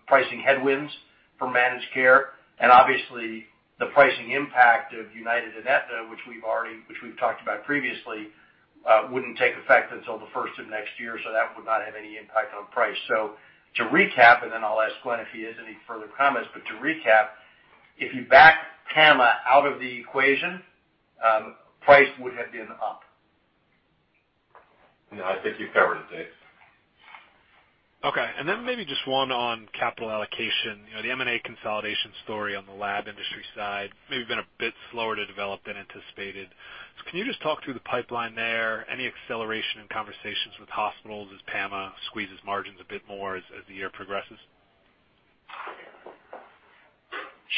pricing headwinds for managed care, obviously the pricing impact of United and Aetna, which we've talked about previously, wouldn't take effect until the first of next year, that would not have any impact on price. To recap, and then I'll ask Glenn if he has any further comments, to recap, if you back PAMA out of the equation, price would have been up. No, I think you've covered it, Dave. Okay. Maybe just one on capital allocation. The M&A consolidation story on the lab industry side, maybe been a bit slower to develop than anticipated. Can you just talk through the pipeline there, any acceleration in conversations with hospitals as PAMA squeezes margins a bit more as the year progresses?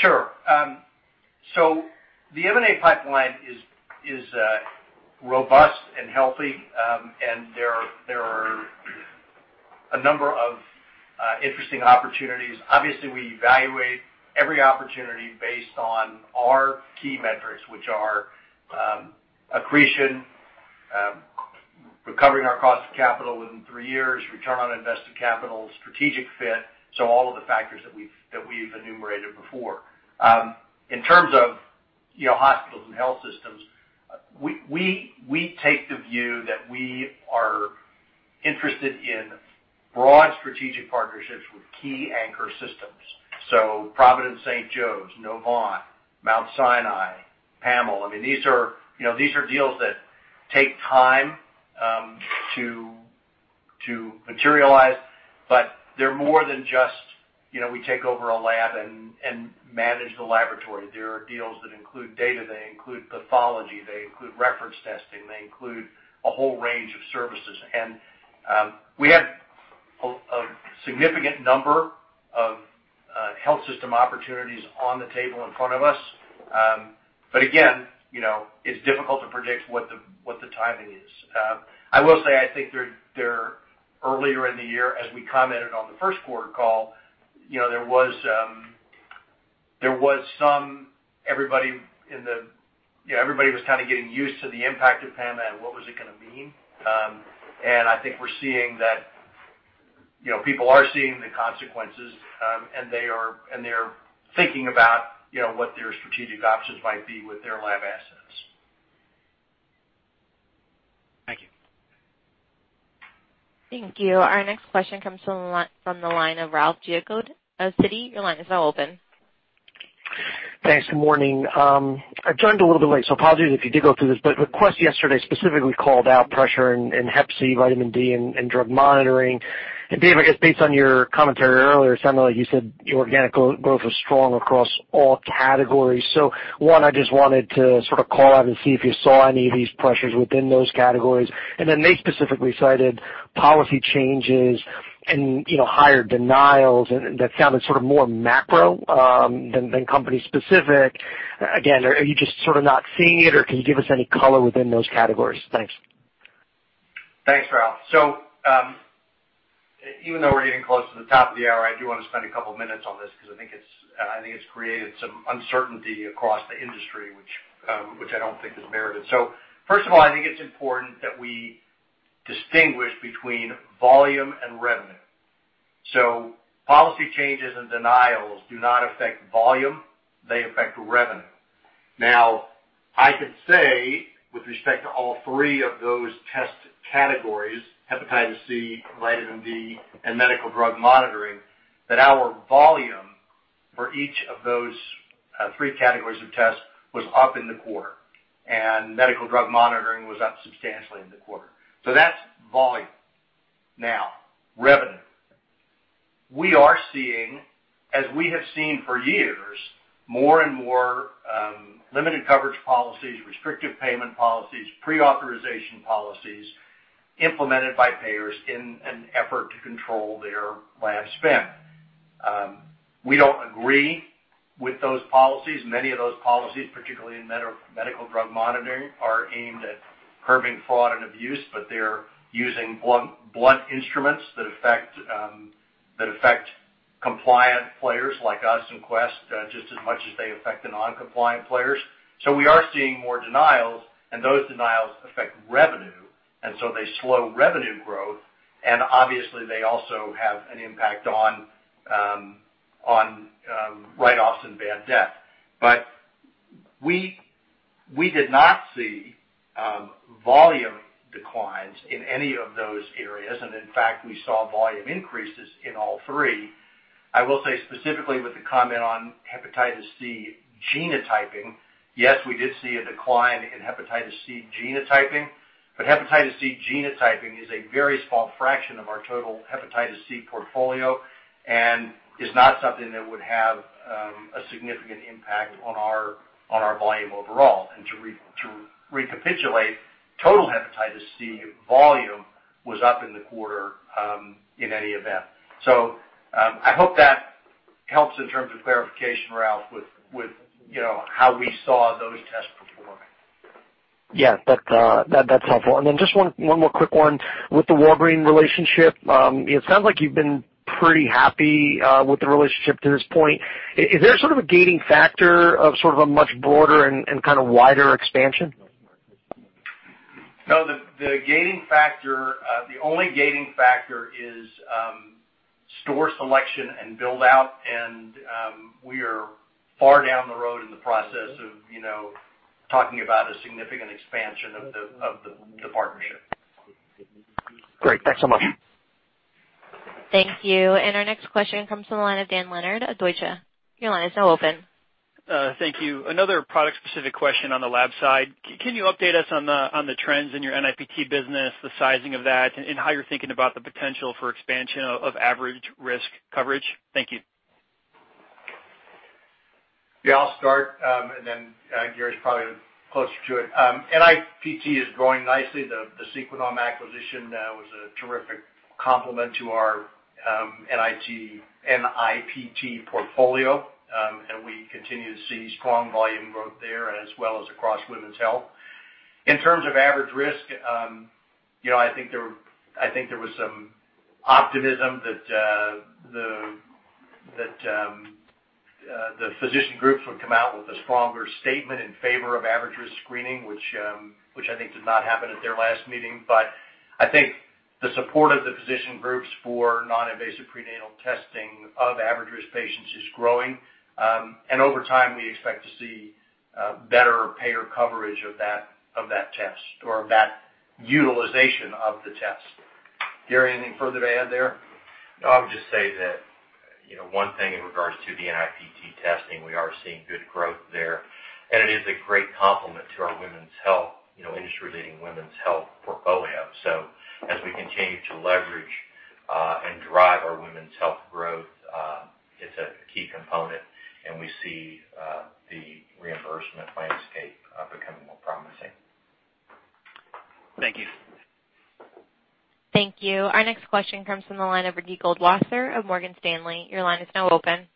Sure. The M&A pipeline is robust and healthy. There are a number of interesting opportunities. Obviously, we evaluate every opportunity based on our key metrics, which are accretion, recovering our cost of capital within three years, return on invested capital, strategic fit. All of the factors that we've enumerated before. In terms of hospitals and health systems, we take the view that we are interested in broad strategic partnerships with key anchor systems. Providence St. Joe's, Novant, Mount Sinai, PAML. These are deals that take time to materialize. They're more than just, we take over a lab and manage the laboratory. There are deals that include data, they include pathology, they include reference testing, they include a whole range of services. We have a significant number of health system opportunities on the table in front of us. Again, it's difficult to predict what the timing is. I will say, I think earlier in the year, as we commented on the first quarter call, everybody was kind of getting used to the impact of PAMA and what was it going to mean. I think we're seeing that people are seeing the consequences, and they're thinking about what their strategic options might be with their lab assets. Thank you. Thank you. Our next question comes from the line of Ralph Giacobbe of Citi. Your line is now open. Thanks. Good morning. I joined a little bit late, so apologies if you did go through this. Quest yesterday specifically called out pressure in Hep C, vitamin D, and drug monitoring. Dave, I guess based on your commentary earlier, it sounded like you said your organic growth was strong across all categories. One, I just wanted to sort of call out and see if you saw any of these pressures within those categories. Then they specifically cited policy changes and higher denials, and that sounded sort of more macro than company specific. Again, are you just sort of not seeing it, or can you give us any color within those categories? Thanks. Thanks, Ralph. Even though we're getting close to the top of the hour, I do want to spend a couple of minutes on this because I think it's created some uncertainty across the industry, which I don't think is merited. First of all, I think it's important that we distinguish between volume and revenue. Policy changes and denials do not affect volume. They affect revenue. Now, I can say with respect to all three of those test categories, hepatitis C, vitamin D, and medical drug monitoring, that our volume for each of those three categories of tests was up in the quarter, and medical drug monitoring was up substantially in the quarter. That's volume. Now, revenue. We are seeing, as we have seen for years, more and more limited coverage policies, restrictive payment policies, pre-authorization policies, implemented by payers in an effort to control their lab spend. We don't agree with those policies. Many of those policies, particularly in medical drug monitoring, are aimed at curbing fraud and abuse, but they're using blunt instruments that affect compliant players like us and Quest, just as much as they affect the non-compliant players. We are seeing more denials, and those denials affect revenue, they slow revenue growth, and obviously, they also have an impact on write-offs and bad debt. We did not see volume declines in any of those areas, and in fact, we saw volume increases in all three. I will say specifically with the comment on hepatitis C genotyping, yes, we did see a decline in hepatitis C genotyping, but hepatitis C genotyping is a very small fraction of our total hepatitis C portfolio and is not something that would have a significant impact on our volume overall. To recapitulate, total hepatitis C volume was up in the quarter, in any event. I hope that helps in terms of clarification, Ralph, with how we saw those tests performing. That's helpful. Just one more quick one. With the Walgreens relationship, it sounds like you've been pretty happy with the relationship to this point. Is there sort of a gating factor of sort of a much broader and kind of wider expansion? The gating factor, the only gating factor is store selection and build-out, we are far down the road in the process of talking about a significant expansion of the partnership. Great. Thanks so much. Thank you. Our next question comes from the line of Dan Leonard at Deutsche. Your line is now open. Thank you. Another product-specific question on the lab side. Can you update us on the trends in your NIPT business, the sizing of that, and how you're thinking about the potential for expansion of average risk coverage? Thank you. Yeah, I'll start, and then Gary's probably closer to it. NIPT is growing nicely. The Sequenom acquisition was a terrific complement to our NIPT portfolio, and we continue to see strong volume growth there as well as across women's health. In terms of average risk, I think there was some optimism that the physician groups would come out with a stronger statement in favor of average risk screening, which I think did not happen at their last meeting. I think the support of the physician groups for non-invasive prenatal testing of average-risk patients is growing. Over time, we expect to see better payer coverage of that test or that utilization of the test. Gary, anything further to add there? I would just say that one thing in regards to the NIPT testing, we are seeing good growth there, and it is a great complement to our industry-leading women's health portfolio. As we continue to leverage, and drive our women's health growth, it's a key component, and we see the reimbursement landscape becoming more promising. Thank you. Thank you. Our next question comes from the line of Ricky Goldwasser of Morgan Stanley. Your line is now open.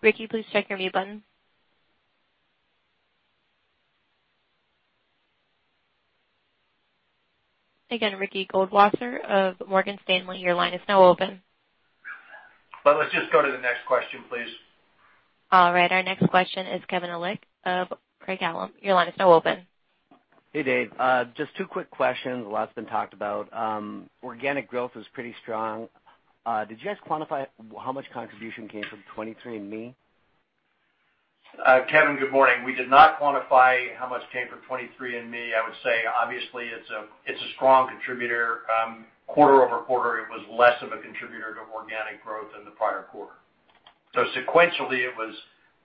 Ricky, please check your mute button. Again, Ricky Goldwasser of Morgan Stanley, your line is now open. Well, let's just go to the next question, please. All right. Our next question is Kevin Ellichof Craig-Hallum. Your line is now open. Hey, Dave. Just two quick questions. A lot's been talked about. Organic growth was pretty strong. Did you guys quantify how much contribution came from 23andMe? Kevin, good morning. We did not quantify how much came from 23andMe. I would say, obviously, it's a strong contributor. Quarter-over-quarter, it was less of a contributor to organic growth in the prior quarter. Sequentially, it was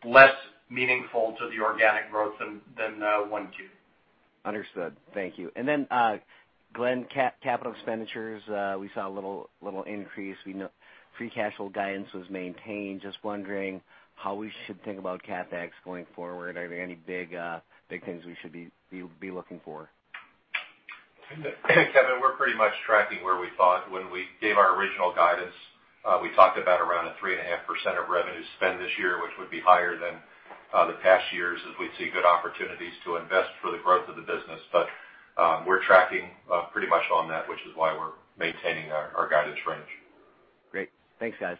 less meaningful to the organic growth than 1Q. Understood. Thank you. Glenn, capital expenditures, we saw a little increase. Free cash flow guidance was maintained. Just wondering how we should think about CapEx going forward. Are there any big things we should be looking for? Kevin, we're pretty much tracking where we thought. When we gave our original guidance, we talked about around a 3.5% of revenue spend this year, which would be higher than the past years as we see good opportunities to invest for the growth of the business. We're tracking pretty much on that, which is why we're maintaining our guidance range. Great. Thanks, guys.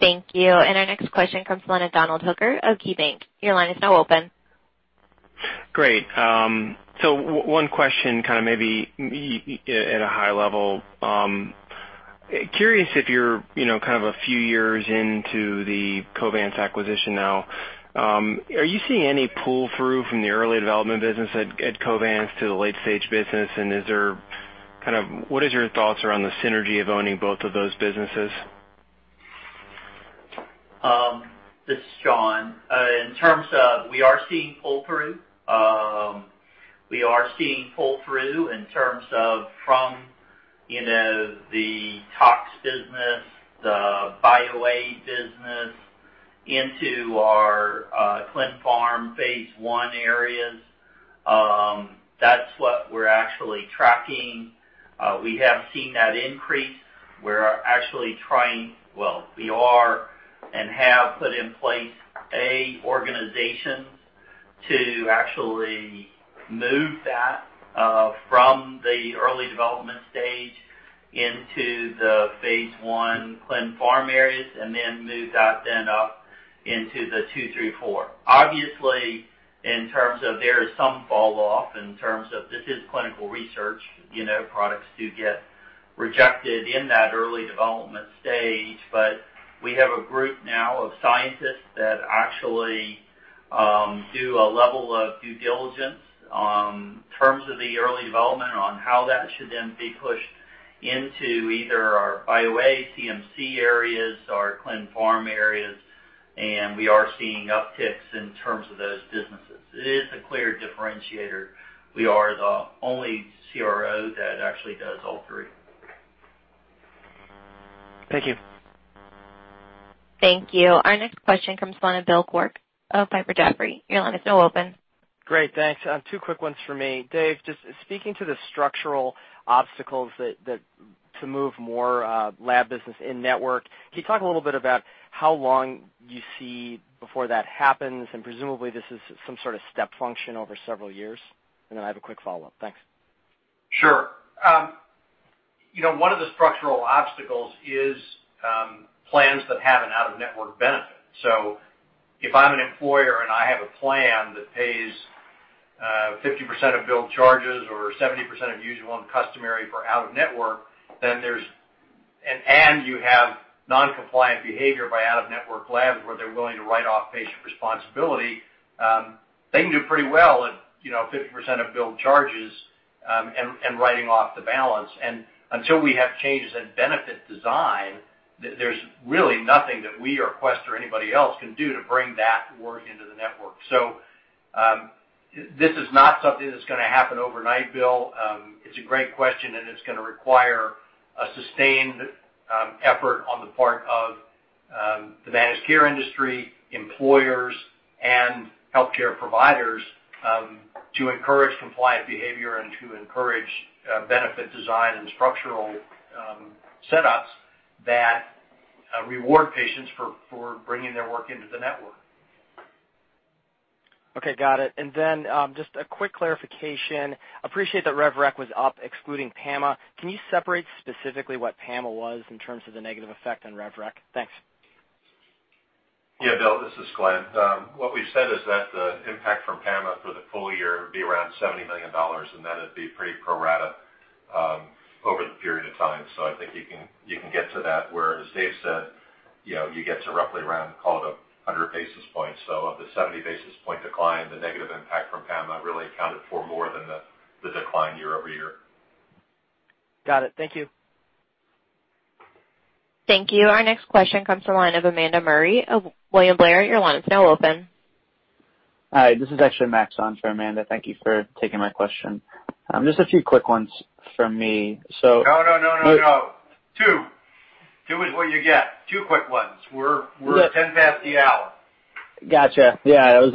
Thank you. Our next question comes the line of Donald Hooker of KeyBanc. Your line is now open. Great. One question, maybe at a high level. Curious if you're a few years into the Covance acquisition now. Are you seeing any pull-through from the early development business at Covance to the late-stage business, and what is your thoughts around the synergy of owning both of those businesses? This is John. We are seeing pull-through. We are seeing pull-through in terms of from the tox business, the bioanalytical business, into our clin pharm phase I areas. That's what we're actually tracking. We have seen that increase. We are and have put in place A, organizations to actually move that from the early development stage into the phase I clin pharm areas, and then move that then up into the two, three, four. Obviously, in terms of there is some fall off in terms of this is clinical research, products do get rejected in that early development stage. We have a group now of scientists that actually do a level of due diligence in terms of the early development on how that should then be pushed into either our bioanalytical, CMC areas, our clin pharm areas, and we are seeing upticks in terms of those businesses. It is a clear differentiator. We are the only CRO that actually does all three. Thank you. Thank you. Our next question comes from the line of Bill Quirk of Piper Jaffray. Your line is now open. Great. Thanks. Two quick ones for me. Dave, just speaking to the structural obstacles to move more lab business in-network, can you talk a little bit about how long you see before that happens? Presumably, this is some sort of step function over several years? Then I have a quick follow-up. Thanks. Sure. One of the structural obstacles is plans that have an out-of-network benefit. If I'm an employer and I have a plan that pays 50% of billed charges or 70% of usual and customary for out-of-network, you have non-compliant behavior by out-of-network labs where they're willing to write off patient responsibility, they can do pretty well at 50% of billed charges, and writing off the balance. Until we have changes in benefit design, there's really nothing that we or Quest or anybody else can do to bring that work into the network. This is not something that's going to happen overnight, Bill. It's a great question. It's going to require a sustained effort on the part of the managed care industry, employers, and healthcare providers, to encourage compliant behavior and to encourage benefit design and structural setups that reward patients for bringing their work into the network. Okay. Got it. Then, just a quick clarification. Appreciate that rev rec was up excluding PAMA. Can you separate specifically what PAMA was in terms of the negative effect on rev rec? Thanks. Yeah, Bill, this is Glenn. What we've said is that the impact from PAMA for the full year would be around $70 million, and that it'd be pretty pro rata over the period of time. I think you can get to that where, as Dave said, you get to roughly around, call it 100 basis points. Of the 70 basis point decline, the negative impact from PAMA really accounted for more than the decline year-over-year. Got it. Thank you. Thank you. Our next question comes from the line of Amanda Murray of William Blair. Your line is now open. Hi, this is actually Max on for Amanda. Thank you for taking my question. Just a few quick ones from me. No, no, no. Two. Two is what you get. Two quick ones. We're 10 past the hour. Got you. It was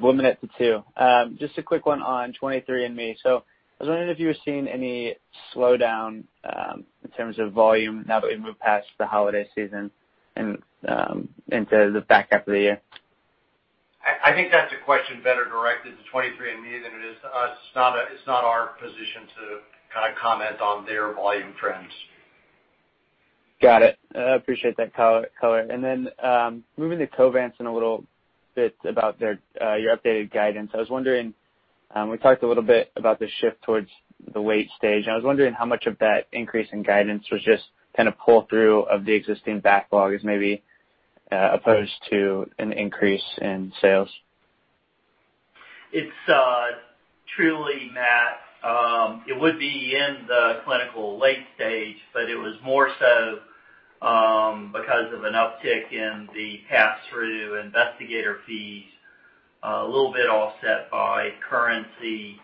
one minute to two. Just a quick one on 23andMe. I was wondering if you were seeing any slowdown, in terms of volume now that we've moved past the holiday season and into the back half of the year. I think that's a question better directed to 23andMe than it is to us. It's not our position to comment on their volume trends. Got it. I appreciate that color. Moving to Covance and a little bit about your updated guidance. I was wondering, we talked a little bit about the shift towards the late stage, and I was wondering how much of that increase in guidance was just pull through of the existing backlogs, maybe, as opposed to an increase in sales. It's truly, Max, it would be in the clinical late-stage, but it was more so because of an uptick in the pass-through investigator fees, a little bit offset by currency.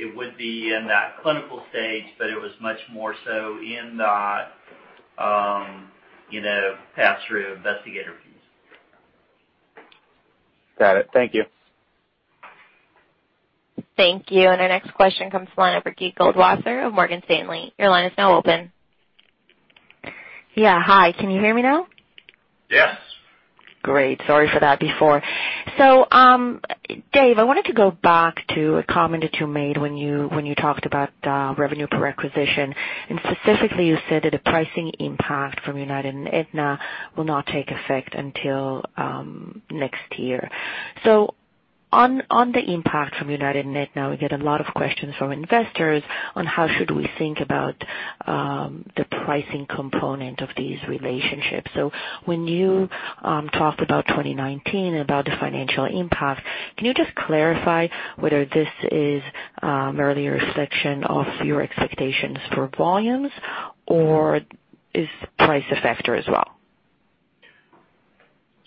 It would be in that clinical-stage, but it was much more so in that pass-through investigator fees. Got it. Thank you. Thank you. Our next question comes from the line of Ricky Goldwasser of Morgan Stanley. Your line is now open. Yeah. Hi. Can you hear me now? Yes. Great. Sorry for that before. Dave, I wanted to go back to a comment that you made when you talked about revenue per acquisition, and specifically, you said that a pricing impact from United and Aetna will not take effect until next year. On the impact from United and Aetna, we get a lot of questions from investors on how should we think about the pricing component of these relationships. When you talked about 2019, about the financial impact, can you just clarify whether this is merely a reflection of your expectations for volumes, or is price a factor as well?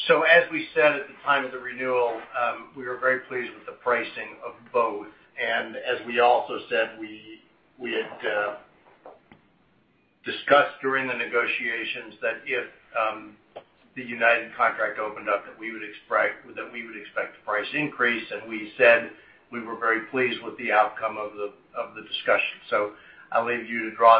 As we said at the time of the renewal, we were very pleased with the pricing of both. As we also said, we had discussed during the negotiations that if the United contract opened up, that we would expect a price increase, and we said we were very pleased with the outcome of the discussions. I'll leave you to draw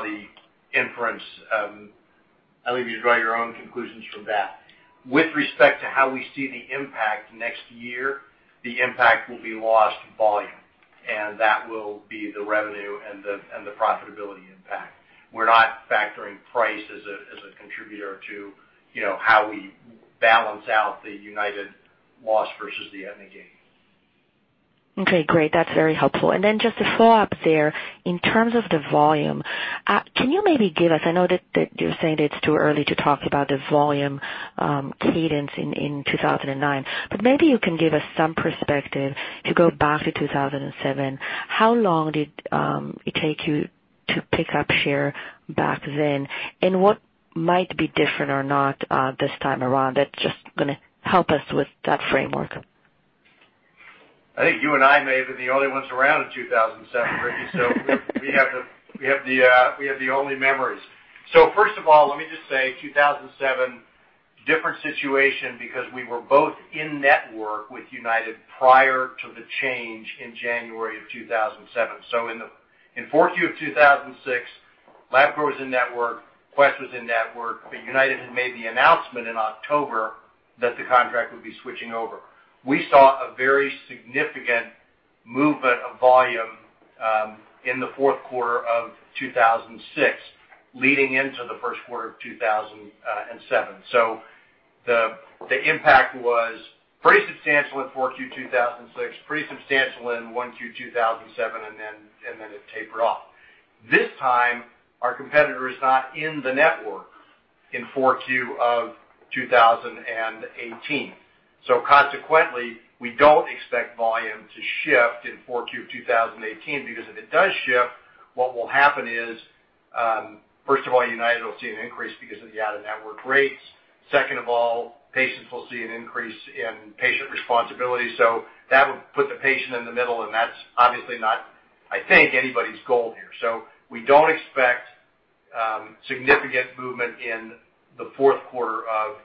your own conclusions from that. With respect to how we see the impact next year, the impact will be lost volume, and that will be the revenue and the profitability impact. We're not factoring price as a contributor to how we balance out the United loss versus the Aetna gain. Okay, great. That's very helpful. Just to follow up there, in terms of the volume, can you maybe give us, I know that you're saying it's too early to talk about the volume cadence in 2009, but maybe you can give us some perspective. To go back to 2007, how long did it take you to pick up share back then, and what might be different or not, this time around? That's just going to help us with that framework. I think you and I may have been the only ones around in 2007, Ricky, we have the only memories. First of all, let me just say, 2007, different situation because we were both in network with United prior to the change in January of 2007. In 4Q of 2006, Labcorp was in network, Quest was in network, but United had made the announcement in October that the contract would be switching over. We saw a very significant movement of volume in the 4Q of 2006 leading into the 1Q of 2007. The impact was pretty substantial in 4Q 2006, pretty substantial in 1Q 2007, and then it tapered off. This time, our competitor is not in the network in 4Q of 2018. Consequently, we don't expect volume to shift in four Q of 2018 because if it does shift, what will happen is, first of all, UnitedHealthcare will see an increase because of the out-of-network rates. Second of all, patients will see an increase in patient responsibility. That would put the patient in the middle, and that's obviously not, I think, anybody's goal here. We don't expect significant movement in the fourth quarter of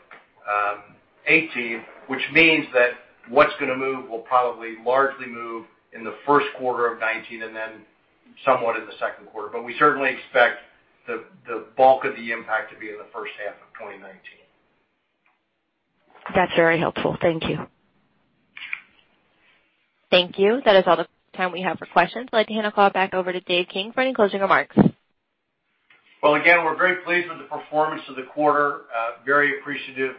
2018, which means that what's going to move will probably largely move in the first quarter of 2019 and then somewhat in the second quarter. We certainly expect the bulk of the impact to be in the first half of 2019. That's very helpful. Thank you. Thank you. That is all the time we have for questions. I'd like to hand the call back over to Dave King for any closing remarks. Again, we're very pleased with the performance of the quarter. Very appreciative,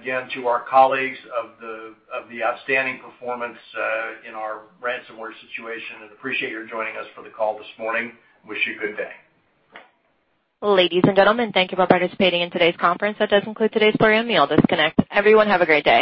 again, to our colleagues of the outstanding performance in our ransomware situation, and appreciate your joining us for the call this morning. Wish you a good day. Ladies and gentlemen, thank you for participating in today's conference. That does conclude today's program. You may all disconnect. Everyone, have a great day.